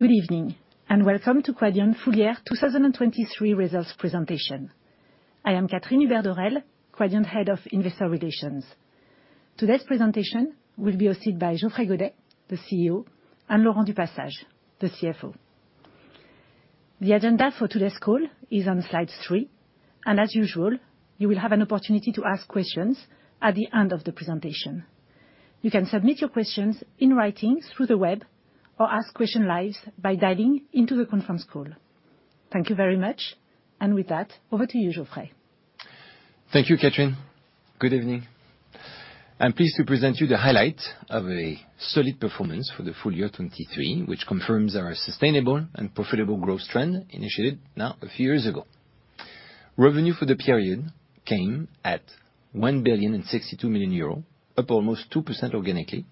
Good evening, and welcome to Quadient Full Year 2023 results presentation. I am Catherine Hubert-Dorel, Quadient Head of Investor Relations. Today's presentation will be hosted by Geoffrey Godet, the CEO, and Laurent du Passage, the CFO. The agenda for today's call is on slide three, and as usual, you will have an opportunity to ask questions at the end of the presentation. You can submit your questions in writing through the web or ask questions live by dialing into the conference call. Thank you very much, and with that, over to you, Geoffrey. Thank you, Catherine. Good evening. I'm pleased to present you the highlight of a solid performance for the full year 2023, which confirms our sustainable and profitable growth trend initiated now a few years ago. Revenue for the period came at 1.62 billion, up almost 2% organically,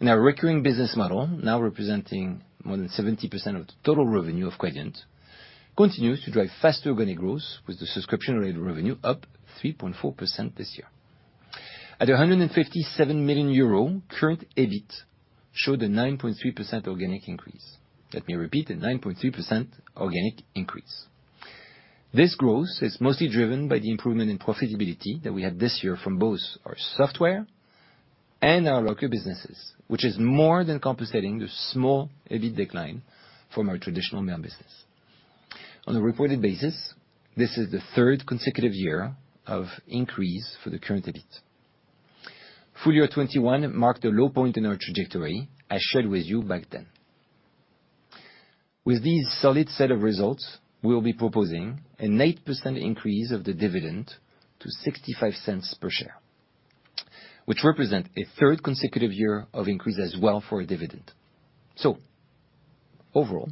and our recurring business model, now representing more than 70% of the total revenue of Quadient, continues to drive faster organic growth, with the subscription-related revenue up 3.4% this year. At 157 million euro, current EBIT showed a 9.3% organic increase. Let me repeat: a 9.3% organic increase. This growth is mostly driven by the improvement in profitability that we had this year from both our software and our locker businesses, which is more than compensating the small EBIT decline from our traditional mail business. On a reported basis, this is the third consecutive year of increase for the current EBIT. Full year 2021 marked a low point in our trajectory, as shared with you back then. With this solid set of results, we'll be proposing an 8% increase of the dividend to 0.65 per share, which represents a third consecutive year of increase as well for a dividend. So overall,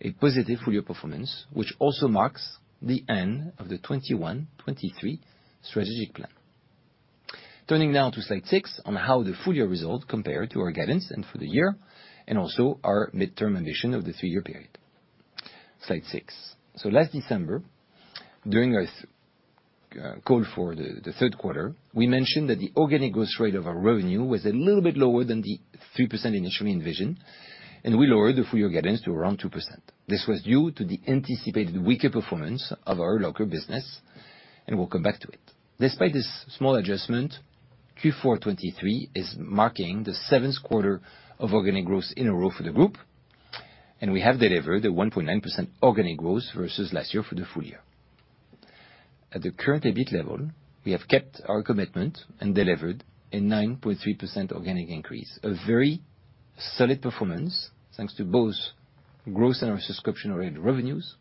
a positive full year performance, which also marks the end of the 2021-2023 strategic plan. Turning now to slide six on how the full year result compared to our guidance and for the year, and also our midterm ambition of the three-year period. Slide six. So last December, during our call for the third quarter, we mentioned that the organic growth rate of our revenue was a little bit lower than the 3% initially envisioned, and we lowered the full year guidance to around 2%. This was due to the anticipated weaker performance of our locker business, and we'll come back to it. Despite this small adjustment, Q4 2023 is marking the seventh quarter of organic growth in a row for the group, and we have delivered a 1.9% organic growth versus last year for the full year. At the current EBIT level, we have kept our commitment and delivered a 9.3% organic increase, a very solid performance thanks to both growth in our subscription-related revenues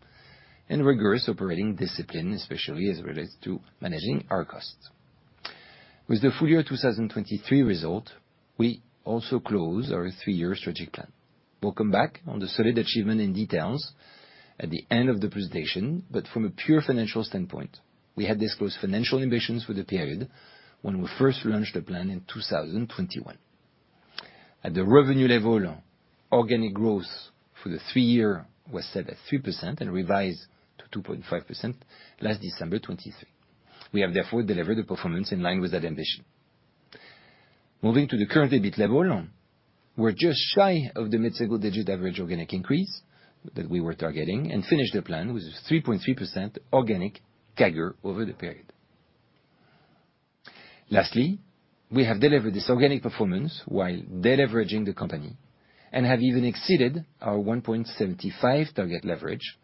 and rigorous operating discipline, especially as it relates to managing our costs. With the full year 2023 result, we also close our three-year strategic plan. We'll come back on the solid achievement in details at the end of the presentation, but from a pure financial standpoint, we had disclosed financial ambitions for the period when we first launched the plan in 2021. At the revenue level, organic growth for the three-year was set at 3% and revised to 2.5% last December 2023. We have, therefore, delivered a performance in line with that ambition. Moving to the current EBIT level, we're just shy of the mid-single-digit average organic increase that we were targeting and finished the plan with a 3.3% organic CAGR over the period. Lastly, we have delivered this organic performance while deleveraging the company and have even exceeded our 1.75 target leverage,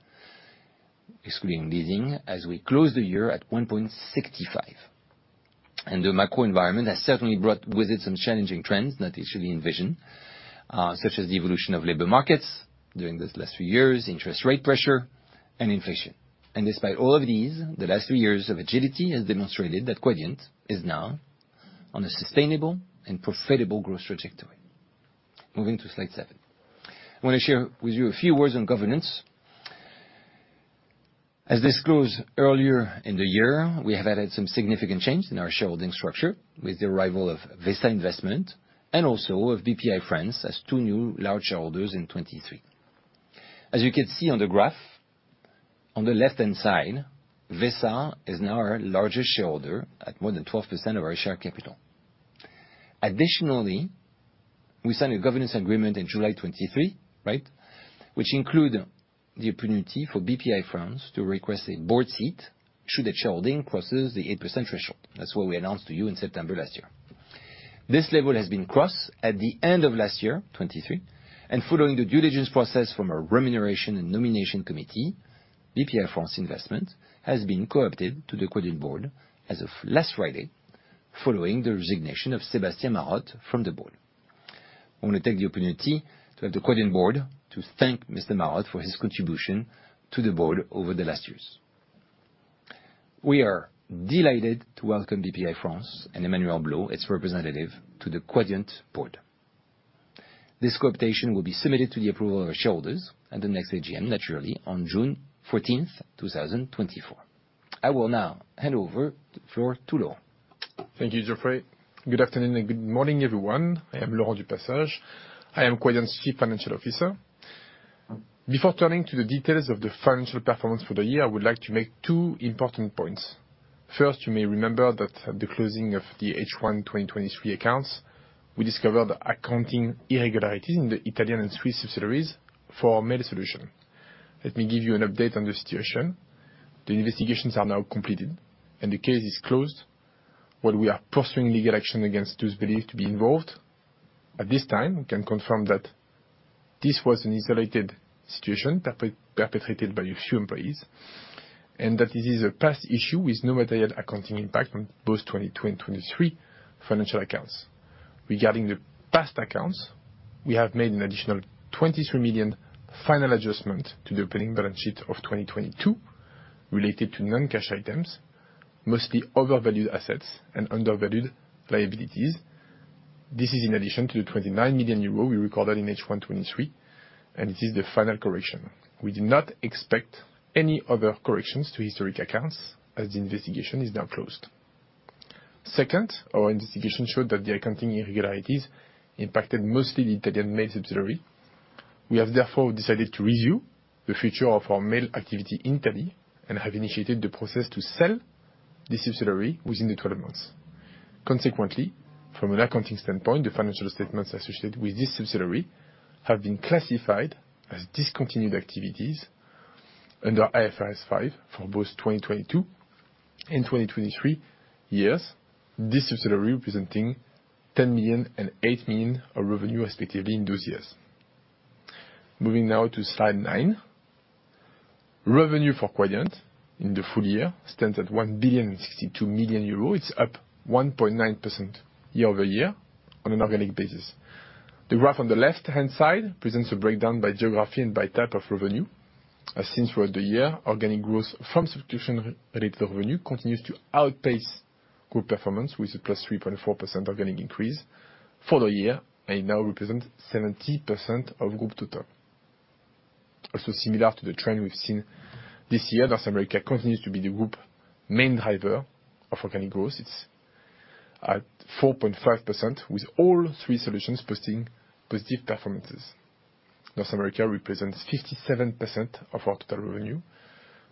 excluding leasing, as we closed the year at 1.65. And the macro environment has certainly brought with it some challenging trends not easily envisioned, such as the evolution of labor markets during these last few years, interest rate pressure, and inflation. And despite all of these, the last three years of agility have demonstrated that Quadient is now on a sustainable and profitable growth trajectory. Moving to slide seven. I want to share with you a few words on governance. As disclosed earlier in the year, we have had some significant changes in our shareholding structure with the arrival of VESA Investment and also of Bpifrance as two new large shareholders in 2023. As you can see on the graph, on the left-hand side, VESA is now our largest shareholder at more than 12% of our share capital. Additionally, we signed a governance agreement in July 2023, right, which included the opportunity for Bpifrance to request a board seat should its shareholding cross the 8% threshold. That's what we announced to you in September last year. This level has been crossed at the end of last year, 2023, and following the due diligence process from our remuneration and nomination committee, Bpifrance has been co-opted to the Quadient board as of last Friday, following the resignation of Sébastien Marotte from the board. I want to take the opportunity to have the Quadient board thank Mr. Marotte for his contribution to the board over the last years. We are delighted to welcome Bpifrance and Emmanuel Blot, its representative, to the Quadient board. This co-optation will be submitted to the approval of our shareholders at the next AGM, naturally, on June 14th, 2024. I will now hand over the floor to Laurent. Thank you, Geoffrey. Good afternoon and good morning, everyone. I am Laurent du Passage. I am Quadient's Chief Financial Officer. Before turning to the details of the financial performance for the year, I would like to make two important points. First, you may remember that at the closing of the H1 2023 accounts, we discovered accounting irregularities in the Italian and Swiss subsidiaries for Mail Solutions. Let me give you an update on the situation. The investigations are now completed, and the case is closed. While we are pursuing legal action against those believed to be involved, at this time, we can confirm that this was an isolated situation perpetrated by a few employees, and that this is a past issue with no material accounting impact on both 2022 and 2023 financial accounts. Regarding the past accounts, we have made an additional 23 million final adjustment to the opening balance sheet of 2022 related to non-cash items, mostly overvalued assets and undervalued liabilities. This is in addition to the 29 million euro we recorded in H1 2023, and it is the final correction. We did not expect any other corrections to historic accounts as the investigation is now closed. Second, our investigation showed that the accounting irregularities impacted mostly the Italian mail subsidiary. We have, therefore, decided to review the future of our mail activity in Italy and have initiated the process to sell this subsidiary within the 12 months. Consequently, from an accounting standpoint, the financial statements associated with this subsidiary have been classified as discontinued activities under IFRS 5 for both 2022 and 2023 years, this subsidiary representing 10 million and 8 million of revenue, respectively, in those years. Moving now to slide 9. Revenue for Quadient in the full year stands at 1.62 billion. It's up 1.9% year-over-year on an organic basis. The graph on the left-hand side presents a breakdown by geography and by type of revenue. As since the end of the year, organic growth from subscription-related revenue continues to outpace group performance with a +3.4% organic increase for the year and now represents 70% of group total. Also, similar to the trend we've seen this year, North America continues to be the group main driver of organic growth. It's at 4.5% with all three solutions posting positive performances. North America represents 57% of our total revenue.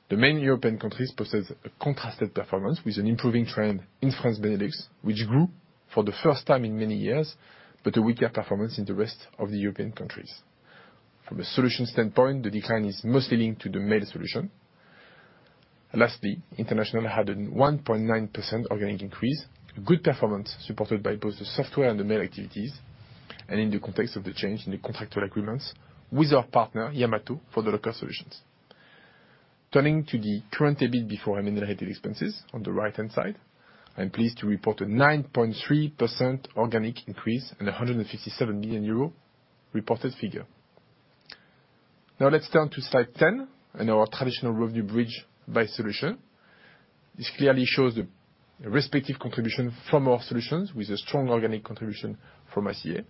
The main European countries posted a contrasted performance with an improving trend in France-Benelux, which grew for the first time in many years, but a weaker performance in the rest of the European countries. From a solution standpoint, the decline is mostly linked to the mail solution. Lastly, international had a 1.9% organic increase, a good performance supported by both the software and the mail activities, and in the context of the change in the contractual agreements with our partner, Yamato, for the locker solutions. Turning to the current EBIT before non-recurring expenses on the right-hand side, I'm pleased to report a 9.3% organic increase and a 157 million euro reported figure. Now, let's turn to slide 10 and our traditional revenue bridge by solution. This clearly shows the respective contribution from our solutions with a strong organic contribution from ICA,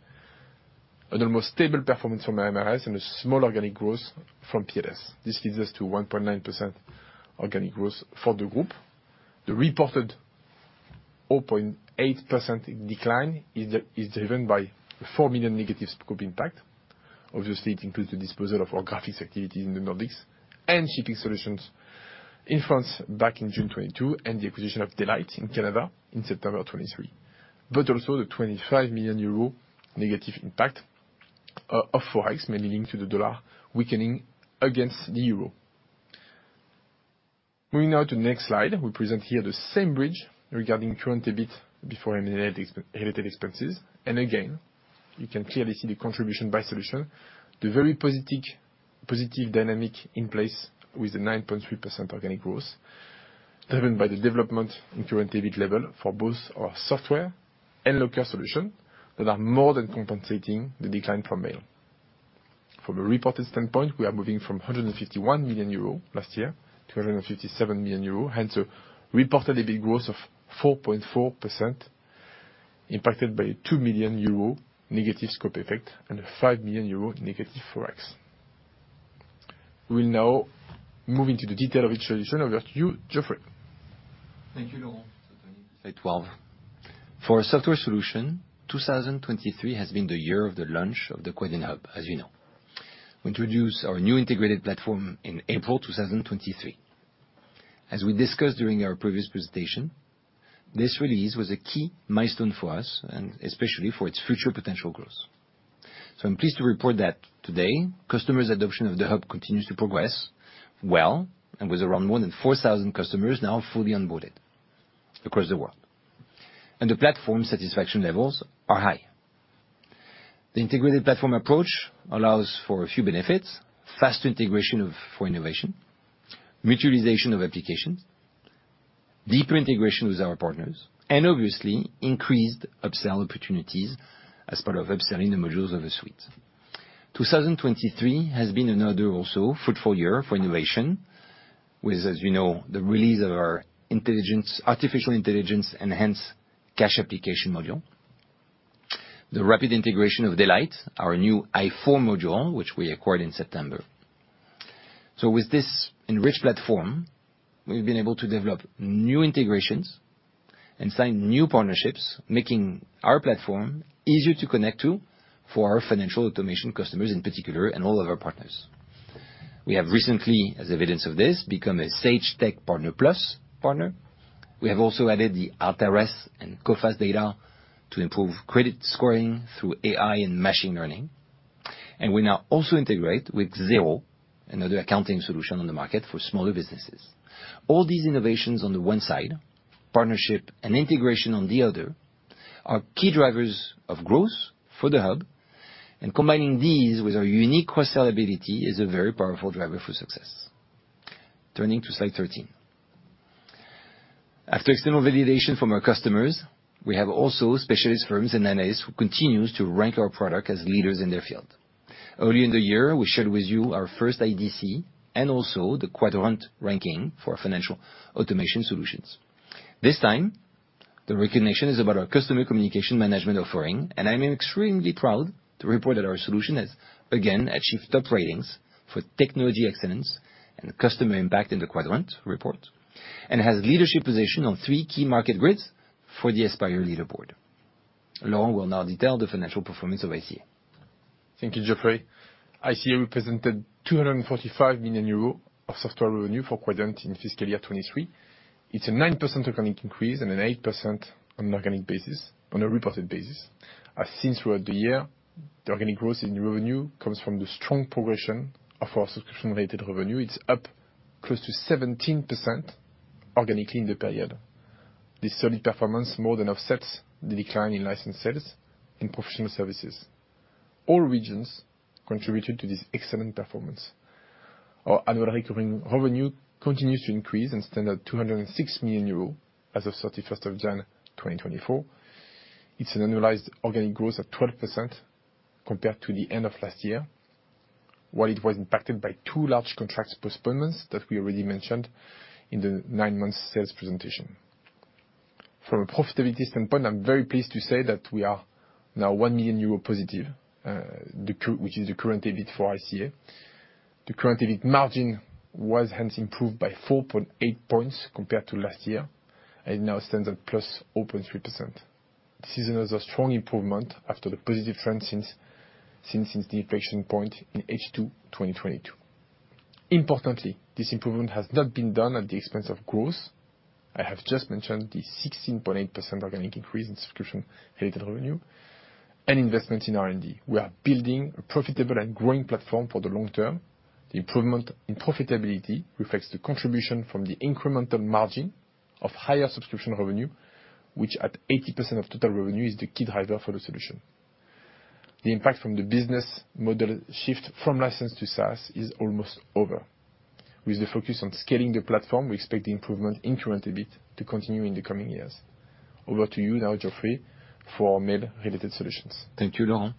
an almost stable performance from MRS, and a small organic growth from PLS. This leads us to 1.9% organic growth for the group. The reported 0.8% decline is driven by the 4 million negative scope impact. Obviously, it includes the disposal of our graphics activities in the Nordics and shipping solutions in France back in June 2022 and the acquisition of Daylight in Canada in September 2023, but also the 25 million euro negative impact of Forex, mainly linked to the dollar weakening against the euro. Moving now to the next slide, we present here the same bridge regarding current EBIT before non-recurring expenses. And again, you can clearly see the contribution by solution, the very positive dynamic in place with the 9.3% organic growth driven by the development in current EBIT level for both our software and locker solution that are more than compensating the decline from mail. From a reported standpoint, we are moving from 151 million euro last year to 157 million euro, hence a reported EBIT growth of 4.4% impacted by a 2 million euro negative scope effect and a 5 million euro negative Forex. We will now move into the detail of each solution. Over to you, Geoffrey. Thank you, Laurent. Slide 12. For our software solution, 2023 has been the year of the launch of the Quadient Hub, as you know. We introduced our new integrated platform in April 2023. As we discussed during our previous presentation, this release was a key milestone for us and especially for its future potential growth. So I'm pleased to report that today, customers' adoption of the Hub continues to progress well and with around more than 4,000 customers now fully onboarded across the world. And the platform satisfaction levels are high. The integrated platform approach allows for a few benefits: faster integration for innovation, mutualization of applications, deeper integration with our partners, and obviously, increased upsell opportunities as part of upselling the modules of a suite. 2023 has been another also fruitful year for innovation with, as you know, the release of our artificial intelligence and hence cash application module, the rapid integration of Daylight, our new AI module, which we acquired in September. So with this enriched platform, we've been able to develop new integrations and sign new partnerships, making our platform easier to connect to for our financial automation customers in particular and all of our partners. We have recently, as evidence of this, become a Sage Tech Partner Plus partner. We have also added the Altares and Coface data to improve credit scoring through AI and machine learning. And we now also integrate with Xero, another accounting solution on the market for smaller businesses. All these innovations on the one side, partnership and integration on the other, are key drivers of growth for the Hub. Combining these with our unique cross-sell ability is a very powerful driver for success. Turning to slide 13. After external validation from our customers, we have also specialist firms and analysts who continue to rank our product as leaders in their field. Early in the year, we shared with you our first IDC and also the Quadrant ranking for financial automation solutions. This time, the recognition is about our customer communication management offering. I'm extremely proud to report that our solution has, again, achieved top ratings for technology excellence and customer impact in the Quadrant report and has leadership position on three key market grids for the Aspire Leaderboard. Laurent will now detail the financial performance of ICA. Thank you, Geoffrey. ICA represented 245 million euros of software revenue for Quadient in fiscal year 2023. It's a 9% organic increase and an 8% on an organic basis, on a reported basis. As since the end of the year, the organic growth in revenue comes from the strong progression of our subscription-related revenue. It's up close to 17% organically in the period. This solid performance more than offsets the decline in license sales and professional services. All regions contributed to this excellent performance. Our annual recurring revenue continues to increase and stand at 206 million euros as of 31st of January 2024. It's an annualized organic growth at 12% compared to the end of last year, while it was impacted by two large contracts postponements that we already mentioned in the nine-month sales presentation. From a profitability standpoint, I'm very pleased to say that we are now 1 million euro positive, which is the current EBIT for ICA. The current EBIT margin was hence improved by 4.8 points compared to last year, and it now stands at plus 0.3%. This is another strong improvement after the positive trend since the inflection point in H2 2022. Importantly, this improvement has not been done at the expense of growth. I have just mentioned the 16.8% organic increase in subscription-related revenue and investments in R&D. We are building a profitable and growing platform for the long term. The improvement in profitability reflects the contribution from the incremental margin of higher subscription revenue, which at 80% of total revenue is the key driver for the solution. The impact from the business model shift from license to SaaS is almost over. With the focus on scaling the platform, we expect the improvement in current EBIT to continue in the coming years. Over to you now, Geoffrey, for mail-related solutions. Thank you, Laurent.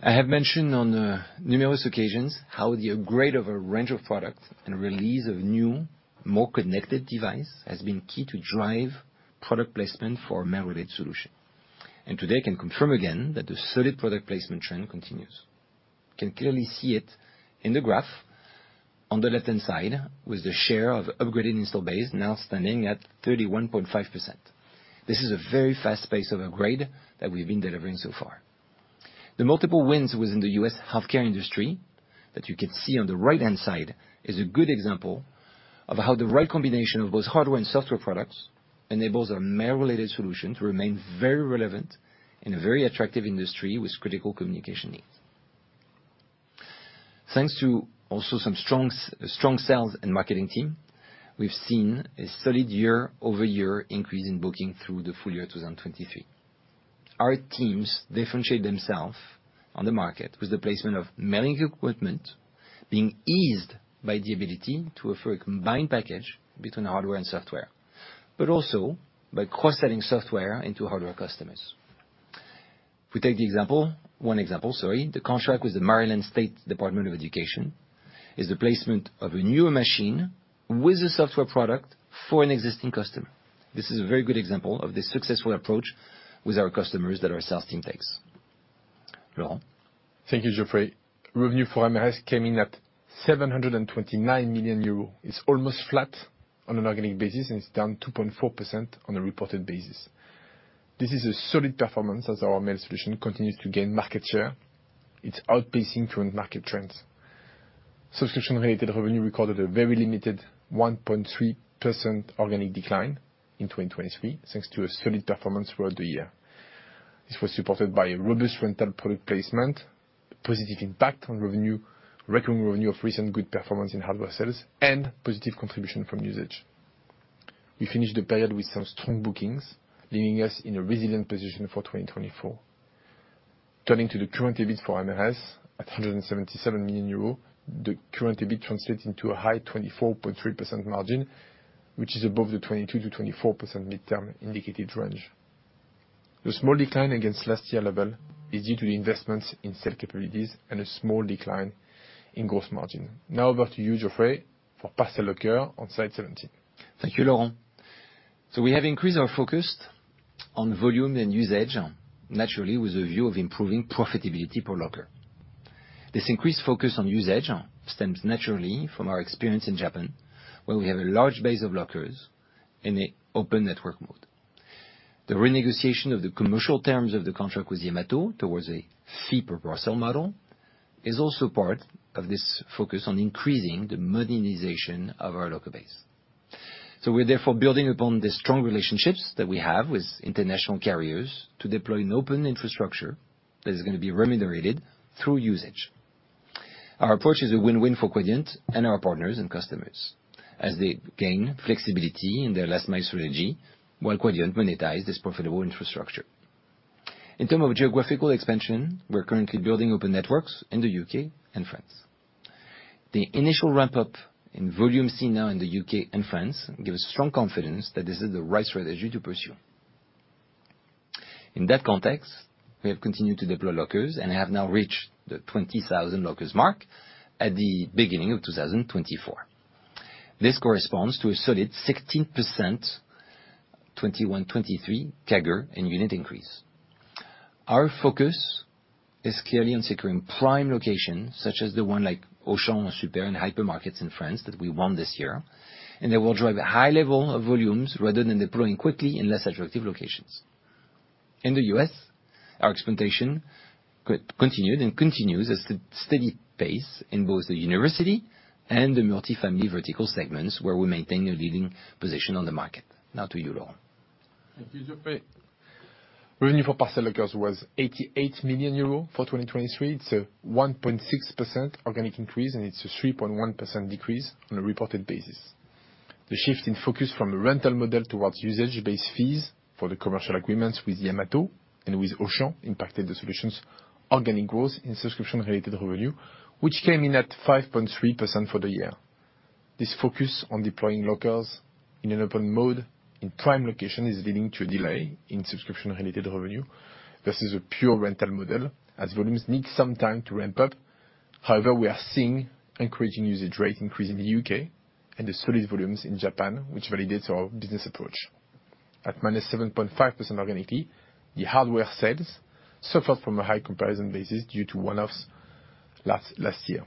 I have mentioned on numerous occasions how the upgrade of a range of products and release of new, more connected devices has been key to drive product placement for our mail-related solution. Today, I can confirm again that the solid product placement trend continues. You can clearly see it in the graph on the left-hand side with the share of upgraded install base now standing at 31.5%. This is a very fast pace of upgrade that we've been delivering so far. The multiple wins within the U.S. healthcare industry that you can see on the right-hand side is a good example of how the right combination of both hardware and software products enables our mail-related solution to remain very relevant in a very attractive industry with critical communication needs. Thanks to also some strong sales and marketing team, we've seen a solid year-over-year increase in booking through the full year 2023. Our teams differentiate themselves on the market with the placement of mailing equipment being eased by the ability to offer a combined package between hardware and software, but also by cross-selling software into hardware customers. We take one example, sorry, the contract with the Maryland State Department of Education is the placement of a newer machine with a software product for an existing customer. This is a very good example of the successful approach with our customers that our sales team takes. Laurent? Thank you, Geoffrey. Revenue for MRS came in at 729 million euros. It's almost flat on an organic basis, and it's down 2.4% on a reported basis. This is a solid performance as our mail solution continues to gain market share. It's outpacing current market trends. Subscription-related revenue recorded a very limited 1.3% organic decline in 2023 thanks to a solid performance throughout the year. This was supported by robust rental product placement, positive impact on recurring revenue of recent good performance in hardware sales, and positive contribution from usage. We finished the period with some strong bookings, leaving us in a resilient position for 2024. Turning to the current EBIT for MRS at 177 million euros, the current EBIT translates into a high 24.3% margin, which is above the 22%-24% midterm indicated range. The small decline against last year level is due to the investments in sale capabilities and a small decline in gross margin. Now over to you, Geoffrey, for parcel locker on slide 17. Thank you, Laurent. So we have increased our focus on volume and usage, naturally, with a view of improving profitability for locker. This increased focus on usage stems naturally from our experience in Japan, where we have a large base of lockers in an open network mode. The renegotiation of the commercial terms of the contract with Yamato towards a fee per parcel model is also part of this focus on increasing the modernization of our locker base. So we're therefore building upon the strong relationships that we have with international carriers to deploy an open infrastructure that is going to be remunerated through usage. Our approach is a win-win for Quadient and our partners and customers as they gain flexibility in their last-mile strategy while Quadient monetizes this profitable infrastructure. In terms of geographical expansion, we're currently building open networks in the U.K. and France. The initial ramp-up in volume seen now in the U.K. and France gives us strong confidence that this is the right strategy to pursue. In that context, we have continued to deploy lockers, and I have now reached the 20,000 lockers mark at the beginning of 2024. This corresponds to a solid 16% 2021-2023 CAGR in unit increase. Our focus is clearly on securing prime locations such as the one like Auchan and super and hypermarkets in France that we won this year. They will drive high level of volumes rather than deploying quickly in less attractive locations. In the U.S., our exploitation continued and continues at a steady pace in both the university and the multifamily vertical segments where we maintain a leading position on the market. Now to you, Laurent. Thank you, Geoffrey. Revenue for parcel lockers was 88 million euros for 2023. It's a 1.6% organic increase, and it's a 3.1% decrease on a reported basis. The shift in focus from a rental model towards usage-based fees for the commercial agreements with Yamato and with Auchan impacted the solution's organic growth in subscription-related revenue, which came in at 5.3% for the year. This focus on deploying lockers in an open mode in prime location is leading to a delay in subscription-related revenue versus a pure rental model as volumes need some time to ramp up. However, we are seeing an increasing usage rate increase in the U.K. and solid volumes in Japan, which validates our business approach. At -7.5% organically, the hardware sales suffered from a high comparison basis due to one-offs last year.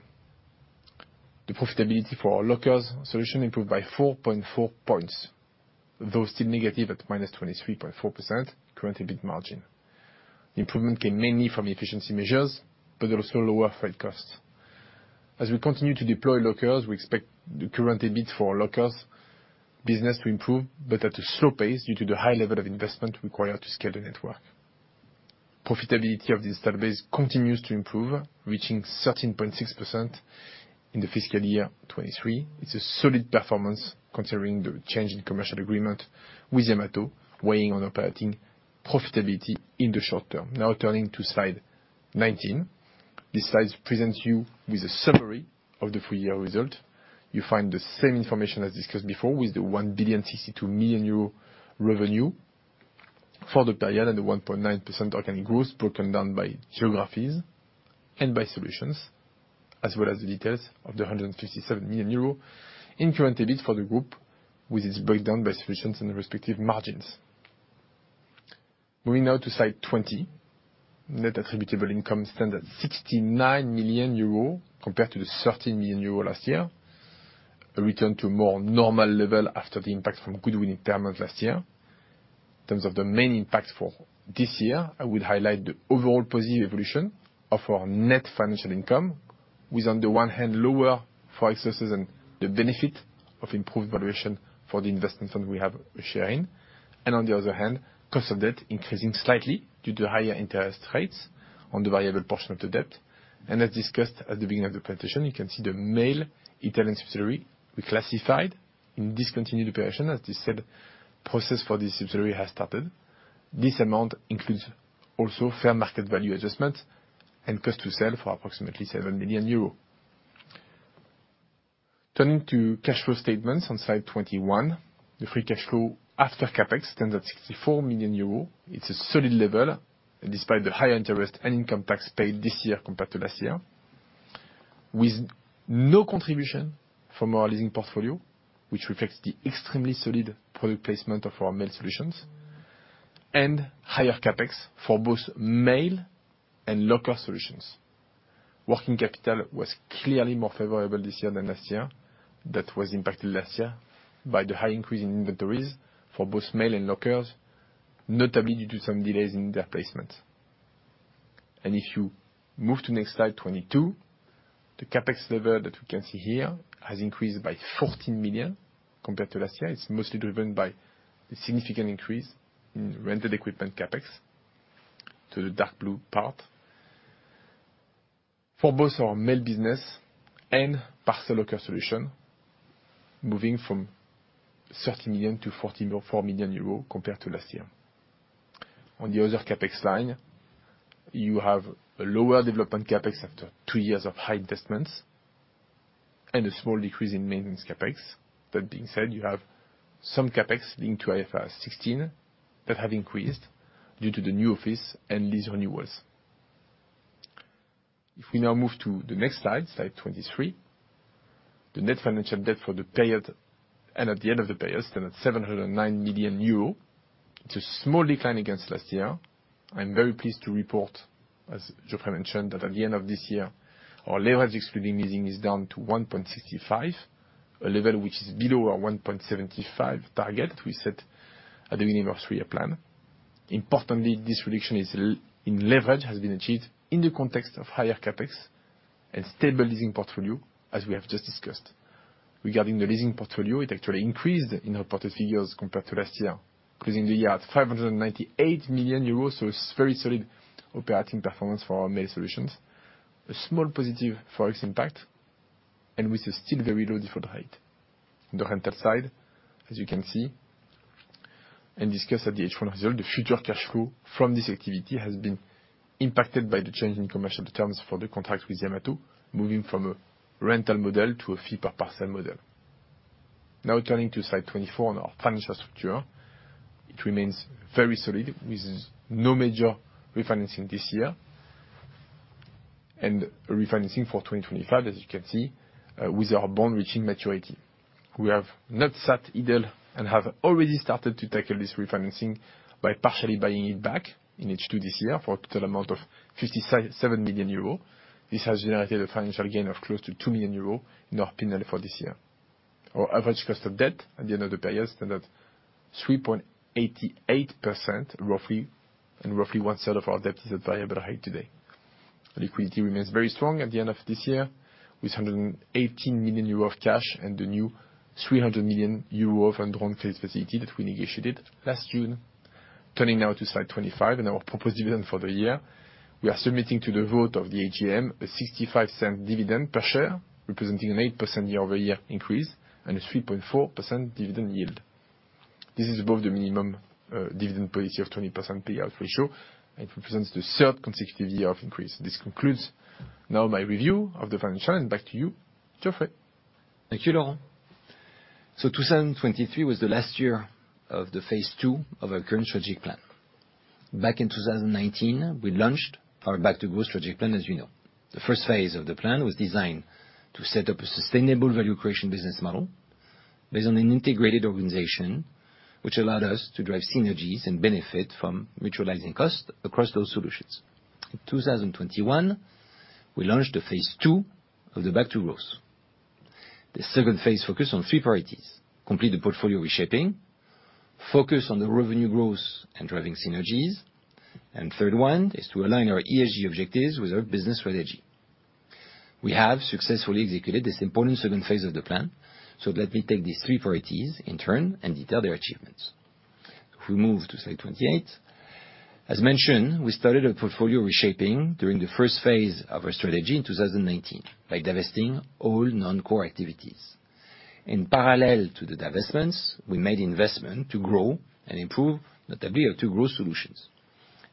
The profitability for our lockers solution improved by 4.4 points, though still negative at -23.4% current EBIT margin. The improvement came mainly from efficiency measures, but also lower freight costs. As we continue to deploy lockers, we expect the current EBIT for lockers business to improve, but at a slow pace due to the high level of investment required to scale the network. Profitability of the install base continues to improve, reaching 13.6% in the fiscal year 2023. It's a solid performance considering the change in commercial agreement with Yamato, weighing on operating profitability in the short term. Now turning to slide 19. This slide presents you with a summary of the full year result. You find the same information as discussed before with the 1.62 billion revenue for the period and the 1.9% organic growth broken down by geographies and by solutions, as well as the details of the 157 million euro in current EBIT for the group with its breakdown by solutions and respective margins. Moving now to slide 20. Net attributable income stands at 69 million euros compared to the 13 million euros last year, a return to a more normal level after the impact from goodwill writedowns last year. In terms of the main impact for this year, I would highlight the overall positive evolution of our net financial income with, on the one hand, lower forex losses and the benefit of improved valuation for the investment fund we have a share in, and on the other hand, cost of debt increasing slightly due to higher interest rates on the variable portion of the debt. As discussed at the beginning of the presentation, you can see the Italian mail subsidiary we classified in discontinued operation as the sale process for this subsidiary has started. This amount includes also fair market value adjustment and cost to sell for approximately 7 million euros. Turning to cash flow statements on slide 21. The free cash flow after capex stands at 64 million euros. It's a solid level despite the higher interest and income tax paid this year compared to last year, with no contribution from our leasing portfolio, which reflects the extremely solid product placement of our mail solutions and higher CapEx for both mail and locker solutions. Working capital was clearly more favorable this year than last year. That was impacted last year by the high increase in inventories for both mail and lockers, notably due to some delays in their placements. If you move to next slide, 22, the CapEx level that we can see here has increased by 14 million compared to last year. It's mostly driven by the significant increase in rented equipment CapEx to the dark blue part for both our mail business and parcel locker solution, moving from 30 million to 44 million euros compared to last year. On the other CapEx line, you have a lower development CapEx after two years of high investments and a small decrease in maintenance CapEx. That being said, you have some CapEx linked to IFRS 16 that have increased due to the new office and lease renewals. If we now move to the next slide, slide 23, the net financial debt for the period and at the end of the period stands at 709 million euro. It's a small decline against last year. I'm very pleased to report, as Geoffrey mentioned, that at the end of this year, our leverage-excluding leasing is down to 1.65, a level which is below our 1.75 target that we set at the beginning of three-year plan. Importantly, this reduction in leverage has been achieved in the context of higher CapEx and stable leasing portfolio, as we have just discussed. Regarding the leasing portfolio, it actually increased in reported figures compared to last year, closing the year at EUR 598 million. So it's very solid operating performance for our mail solutions, a small positive foreign impact, and with a still very low default rate. On the rental side, as you can see and discussed at the H1 result, the future cash flow from this activity has been impacted by the change in commercial terms for the contract with Yamato, moving from a rental model to a fee-per-parcel model. Now turning to slide 24 on our financial structure, it remains very solid with no major refinancing this year and refinancing for 2025, as you can see, with our bond reaching maturity. We have not sat idle and have already started to tackle this refinancing by partially buying it back in H2 this year for a total amount of 57 million euro. This has generated a financial gain of close to 2 million euro in our P&L for this year. Our average cost of debt at the end of the period stands at 3.88% roughly, and roughly one-third of our debt is at variable rate today. Liquidity remains very strong at the end of this year with 118 million euro of cash and the new 300 million euro of a drawn credit facility that we negotiated last June. Turning now to slide 25 and our proposed dividend for the year, we are submitting to the vote of the AGM a 0.65 dividend per share, representing an 8% year-over-year increase and a 3.4% dividend yield. This is above the minimum dividend policy of 20% payout ratio, and it represents the third consecutive year of increase. This concludes now my review of the financial and back to you, Geoffrey. Thank you, Laurent. So 2023 was the last year of the phase two of our current strategic plan. Back in 2019, we launched our Back to Growth Strategic Plan, as you know. The first phase of the plan was designed to set up a sustainable value creation business model based on an integrated organization, which allowed us to drive synergies and benefit from mutualizing costs across those solutions. In 2021, we launched the phase two of the Back to Growth. The second phase focused on three priorities: complete the portfolio reshaping, focus on the revenue growth and driving synergies, and the third one is to align our ESG objectives with our business strategy. We have successfully executed this important second phase of the plan. So let me take these three priorities in turn and detail their achievements. If we move to slide 28. As mentioned, we started a portfolio reshaping during the first phase of our strategy in 2019 by divesting all non-core activities. In parallel to the divestments, we made investment to grow and improve, notably, our two growth solutions.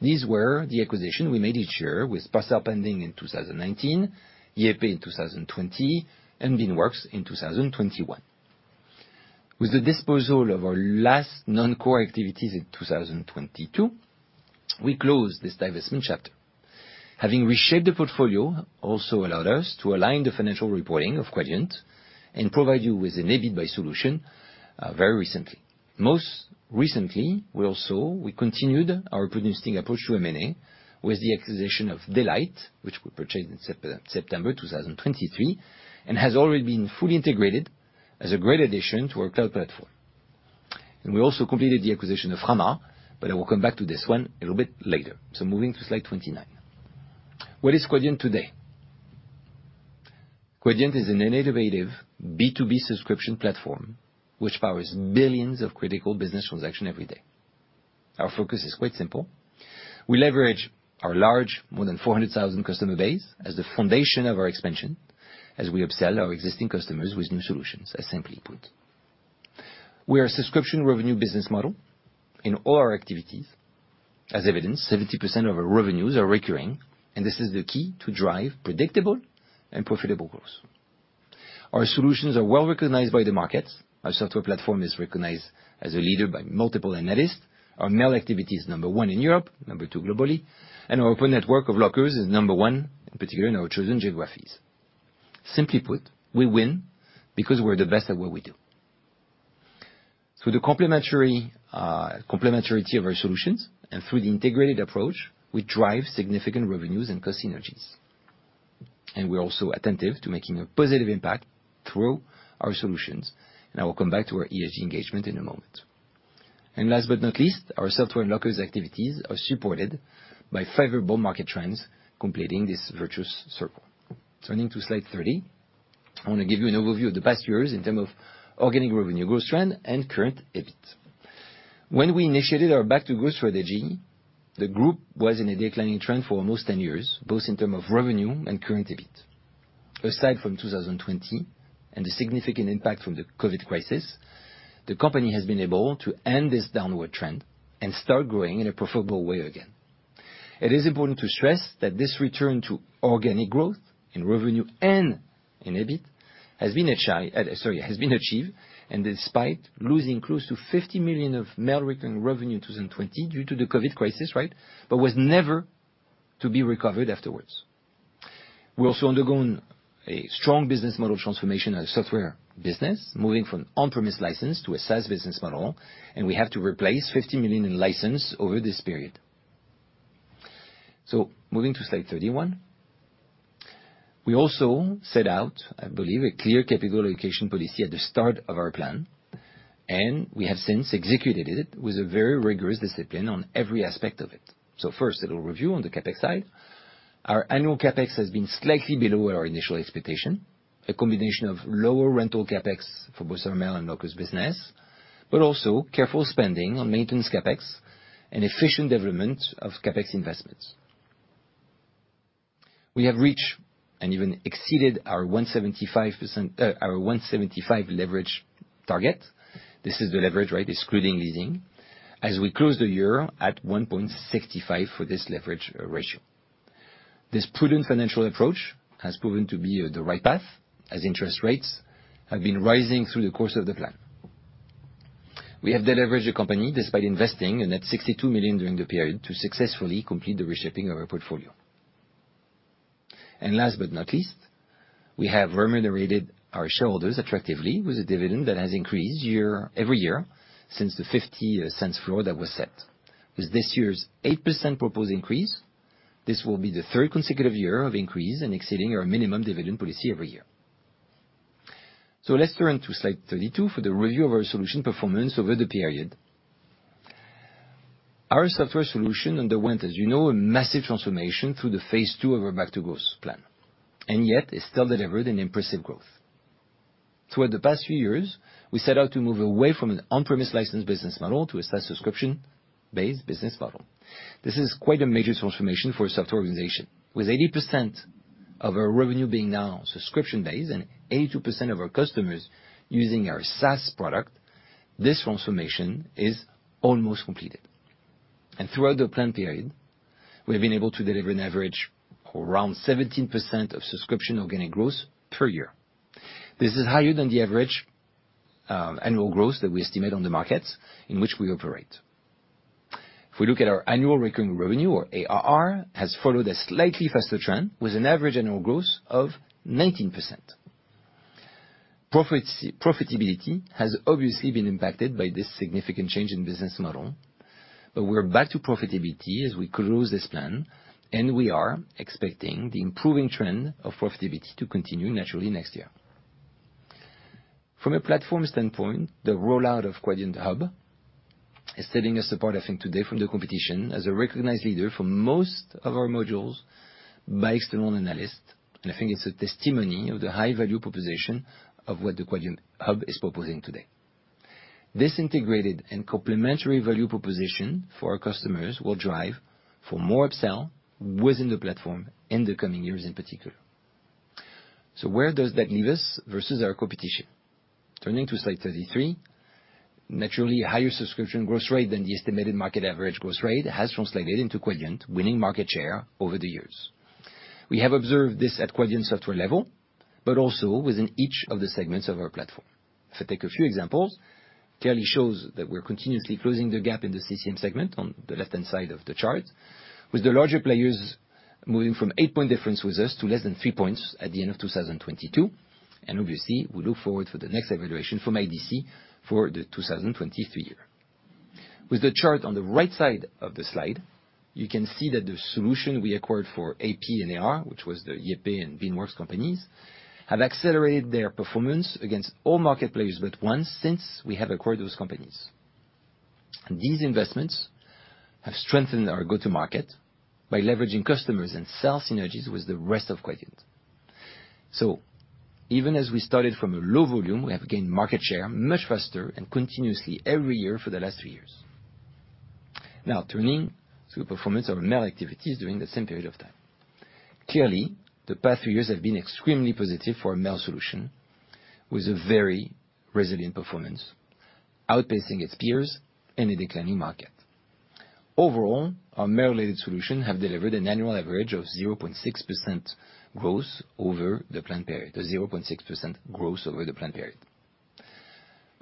These were the acquisitions we made each year with Parcel Pending in 2019, YayPay in 2020, and Beanworks in 2021. With the disposal of our last non-core activities in 2022, we closed this divestment chapter. Having reshaped the portfolio also allowed us to align the financial reporting of Quadient and provide you with an EBIT by solution very recently. Most recently, we also continued our prudent approach to M&A with the acquisition of Daylight, which we purchased in September 2023 and has already been fully integrated as a great addition to our cloud platform. We also completed the acquisition of Frama, but I will come back to this one a little bit later. Moving to slide 29. What is Quadient today? Quadient is an innovative B2B subscription platform which powers billions of critical business transactions every day. Our focus is quite simple. We leverage our large, more than 400,000 customer base as the foundation of our expansion as we upsell our existing customers with new solutions, as simply put. We are a subscription revenue business model in all our activities. As evidenced, 70% of our revenues are recurring, and this is the key to drive predictable and profitable growth. Our solutions are well recognized by the markets. Our software platform is recognized as a leader by multiple analysts. Our mail activity is number one in Europe, number two globally, and our open network of lockers is number one, in particular, in our chosen geographies. Simply put, we win because we're the best at what we do. Through the complementarity of our solutions and through the integrated approach, we drive significant revenues and cost synergies. We're also attentive to making a positive impact through our solutions. I will come back to our ESG engagement in a moment. Last but not least, our software and lockers activities are supported by favorable market trends completing this virtuous circle. Turning to slide 30, I want to give you an overview of the past years in terms of organic revenue growth trend and current EBIT. When we initiated our Back to Growth strategy, the group was in a declining trend for almost 10 years, both in terms of revenue and current EBIT. Aside from 2020 and the significant impact from the COVID crisis, the company has been able to end this downward trend and start growing in a profitable way again. It is important to stress that this return to organic growth in revenue and in EBIT has been achieved despite losing close to 50 million of mail-recurring revenue in 2020 due to the COVID crisis, right, but was never to be recovered afterwards. We also undergo a strong business model transformation in our software business, moving from an on-premise license to a SaaS business model. We have to replace 50 million in license over this period. Moving to slide 31. We also set out, I believe, a clear capital allocation policy at the start of our plan, and we have since executed it with a very rigorous discipline on every aspect of it. So first, a little review on the CapEx side. Our annual CapEx has been slightly below our initial expectation, a combination of lower rental CapEx for both our mail and lockers business, but also careful spending on maintenance CapEx and efficient development of CapEx investments. We have reached and even exceeded our 175 leverage target. This is the leverage, right, excluding leasing, as we closed the year at 1.65 for this leverage ratio. This prudent financial approach has proven to be the right path, as interest rates have been rising through the course of the plan. We have deleveraged the company despite investing a net 62 million during the period to successfully complete the reshaping of our portfolio. Last but not least, we have remunerated our shareholders attractively with a dividend that has increased every year since the 0.50 floor that was set. With this year's 8% proposed increase, this will be the third consecutive year of increase and exceeding our minimum dividend policy every year. So let's turn to slide 32 for the review of our solution performance over the period. Our software solution underwent, as you know, a massive transformation through phase two of our Back to Growth plan and yet has still delivered an impressive growth. Throughout the past few years, we set out to move away from an on-premise license business model to a SaaS subscription-based business model. This is quite a major transformation for a software organization. With 80% of our revenue being now subscription-based and 82% of our customers using our SaaS product, this transformation is almost completed. Throughout the plan period, we have been able to deliver an average of around 17% of subscription organic growth per year. This is higher than the average annual growth that we estimate on the markets in which we operate. If we look at our annual recurring revenue, or ARR, has followed a slightly faster trend with an average annual growth of 19%. Profitability has obviously been impacted by this significant change in business model, but we're back to profitability as we close this plan, and we are expecting the improving trend of profitability to continue naturally next year. From a platform standpoint, the rollout of Quadient Hub is setting us apart, I think, today from the competition as a recognized leader for most of our modules by external analysts. I think it's a testimony of the high value proposition of what the Quadient Hub is proposing today. This integrated and complementary value proposition for our customers will drive for more upsell within the platform in the coming years in particular. Where does that leave us versus our competition? Turning to slide 33. Naturally, a higher subscription growth rate than the estimated market average growth rate has translated into Quadient winning market share over the years. We have observed this at Quadient software level, but also within each of the segments of our platform. If I take a few examples, it clearly shows that we're continuously closing the gap in the CCM segment on the left-hand side of the chart, with the larger players moving from 8-point difference with us to less than 3 points at the end of 2022. Obviously, we look forward to the next evaluation from IDC for the 2023 year. With the chart on the right side of the slide, you can see that the solution we acquired for AP and AR, which was the YayPay and Beanworks companies, have accelerated their performance against all market players but one since we have acquired those companies. These investments have strengthened our go-to-market by leveraging customers and SaaS synergies with the rest of Quadient. Even as we started from a low volume, we have gained market share much faster and continuously every year for the last three years. Now, turning to the performance of our mail activities during that same period of time. Clearly, the past 3 years have been extremely positive for our mail solution with a very resilient performance, outpacing its peers in a declining market. Overall, our mail-related solution has delivered an annual average of 0.6% growth over the planned period, a 0.6% growth over the planned period,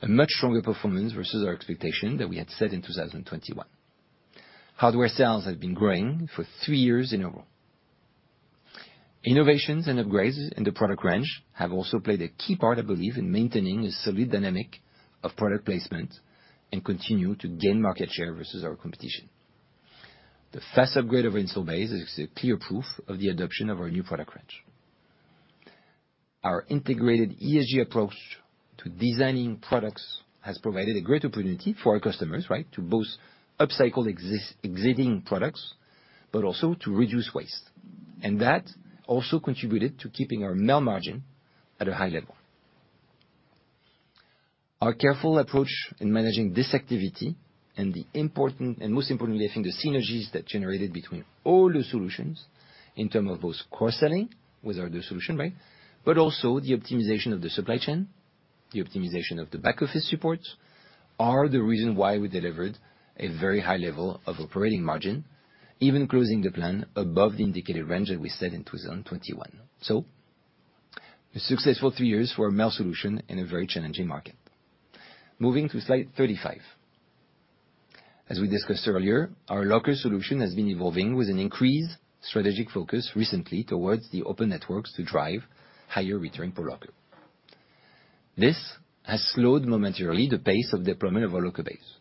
a much stronger performance versus our expectation that we had set in 2021. Hardware sales have been growing for 3 years in a row. Innovations and upgrades in the product range have also played a key part, I believe, in maintaining a solid dynamic of product placement and continue to gain market share versus our competition. The fast upgrade of our install base is clear proof of the adoption of our new product range. Our integrated ESG approach to designing products has provided a great opportunity for our customers, right, to both upcycle existing products but also to reduce waste. That also contributed to keeping our mail margin at a high level. Our careful approach in managing this activity and the important and most importantly, I think, the synergies that generated between all the solutions in terms of both cross-selling with our other solution, right, but also the optimization of the supply chain, the optimization of the back-office supports are the reason why we delivered a very high level of operating margin, even closing the plan above the indicated range that we set in 2021. A successful three years for our mail solution in a very challenging market. Moving to slide 35. As we discussed earlier, our locker solution has been evolving with an increased strategic focus recently towards the open networks to drive higher return per locker. This has slowed momentarily the pace of deployment of our locker base.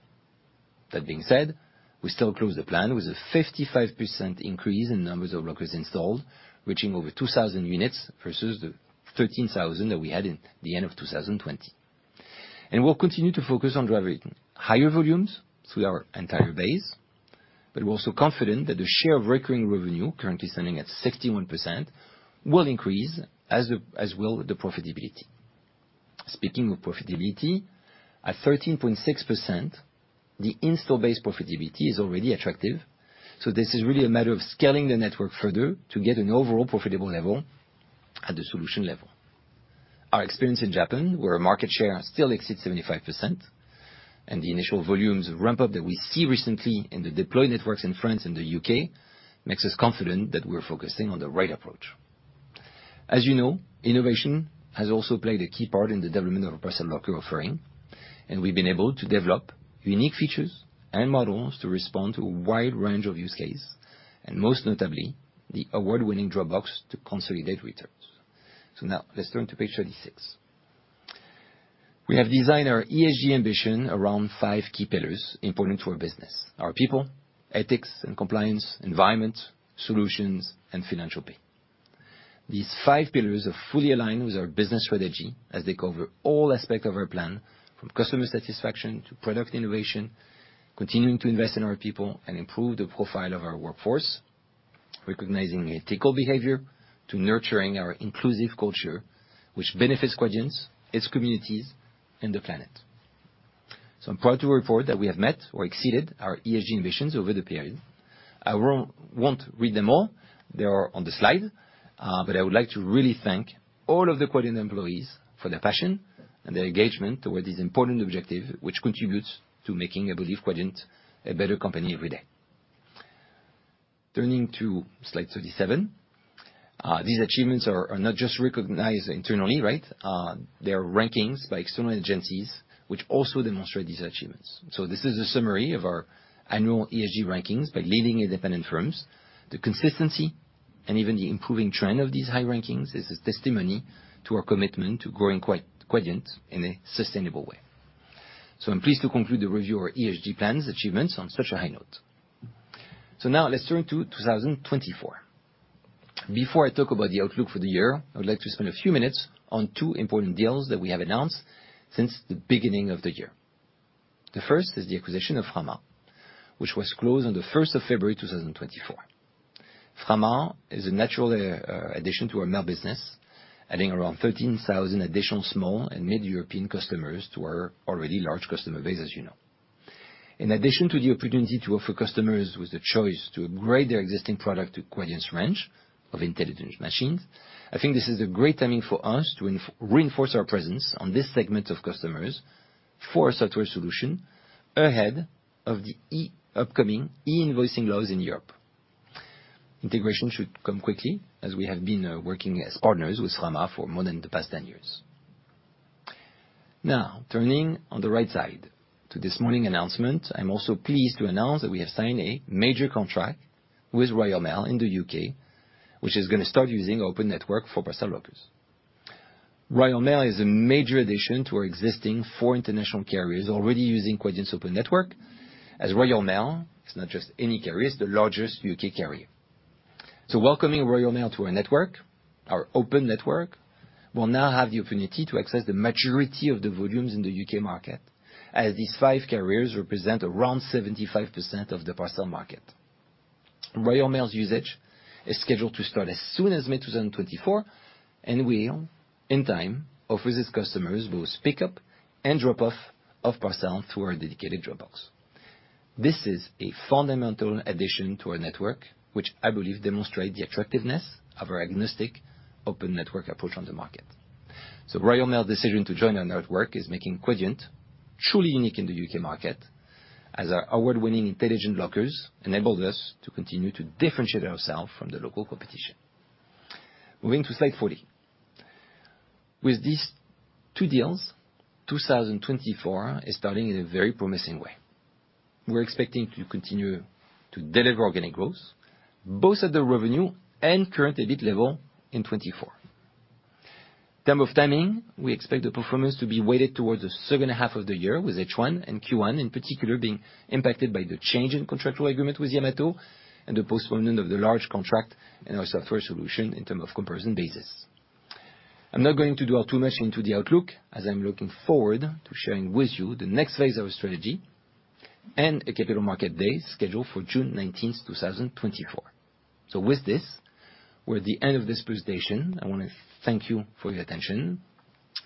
That being said, we still close to the plan with a 55% increase in numbers of lockers installed, reaching over 2,000 units versus the 13,000 that we had at the end of 2020. We'll continue to focus on driving higher volumes through our entire base. We're also confident that the share of recurring revenue, currently standing at 61%, will increase as will the profitability. Speaking of profitability, at 13.6%, the install-based profitability is already attractive. This is really a matter of scaling the network further to get an overall profitable level at the solution level. Our experience in Japan, where market share still exceeds 75% and the initial volumes ramp-up that we see recently in the deployed networks in France and the U.K. makes us confident that we're focusing on the right approach. As you know, innovation has also played a key part in the development of our parcel locker offering. And we've been able to develop unique features and models to respond to a wide range of use cases and most notably, the award-winning Drop Box to consolidate returns. So now, let's turn to page 36. We have designed our ESG ambition around five key pillars important to our business: our people, ethics and compliance, environment, solutions, and philanthropy. These five pillars are fully aligned with our business strategy as they cover all aspects of our plan, from customer satisfaction to product innovation, continuing to invest in our people and improve the profile of our workforce, recognizing ethical behavior to nurturing our inclusive culture, which benefits Quadient, its communities, and the planet. So I'm proud to report that we have met or exceeded our ESG ambitions over the period. I won't read them all. They are on the slide. But I would like to really thank all of the Quadient employees for their passion and their engagement toward this important objective, which contributes to making, I believe, Quadient a better company every day. Turning to slide 37. These achievements are not just recognized internally, right? They are rankings by external agencies, which also demonstrate these achievements. So this is a summary of our annual ESG rankings by leading independent firms. The consistency and even the improving trend of these high rankings is a testimony to our commitment to growing Quadient in a sustainable way. So I'm pleased to conclude the review of our ESG plans' achievements on such a high note. So now, let's turn to 2024. Before I talk about the outlook for the year, I would like to spend a few minutes on two important deals that we have announced since the beginning of the year. The first is the acquisition of Frama, which was closed on the 1st of February, 2024. Frama is a natural addition to our mail business, adding around 13,000 additional small and mid-European customers to our already large customer base, as you know. In addition to the opportunity to offer customers with the choice to upgrade their existing product to Quadient's range of intelligent machines, I think this is a great timing for us to reinforce our presence on this segment of customers for a software solution ahead of the upcoming e-invoicing laws in Europe. Integration should come quickly as we have been working as partners with Frama for more than the past 10 years. Now, turning on the right side to this morning announcement, I'm also pleased to announce that we have signed a major contract with Royal Mail in the U.K., which is going to start using our open network for parcel lockers. Royal Mail is a major addition to our existing 4 international carriers already using Quadient's open network, as Royal Mail is not just any carrier, it's the largest U.K. carrier. So welcoming Royal Mail to our network, our open network, will now have the opportunity to access the majority of the volumes in the U.K. market, as these five carriers represent around 75% of the parcel market. Royal Mail's usage is scheduled to start as soon as mid-2024, and will, in time, offer its customers both pickup and drop-off of parcel through our dedicated Drop Box. This is a fundamental addition to our network, which I believe demonstrates the attractiveness of our agnostic open network approach on the market. So Royal Mail's decision to join our network is making Quadient truly unique in the U.K. market, as our award-winning intelligent lockers enabled us to continue to differentiate ourselves from the local competition. Moving to slide 40. With these two deals, 2024 is starting in a very promising way. We're expecting to continue to deliver organic growth both at the revenue and current EBIT level in 2024. In terms of timing, we expect the performance to be weighted towards the second half of the year, with H1 and Q1 in particular being impacted by the change in contractual agreement with Yamato and the postponement of the large contract in our software solution in terms of comparison basis. I'm not going to dwell too much into the outlook as I'm looking forward to sharing with you the next phase of our strategy and a Capital Market Day scheduled for June 19th, 2024. With this, we're at the end of this presentation. I want to thank you for your attention.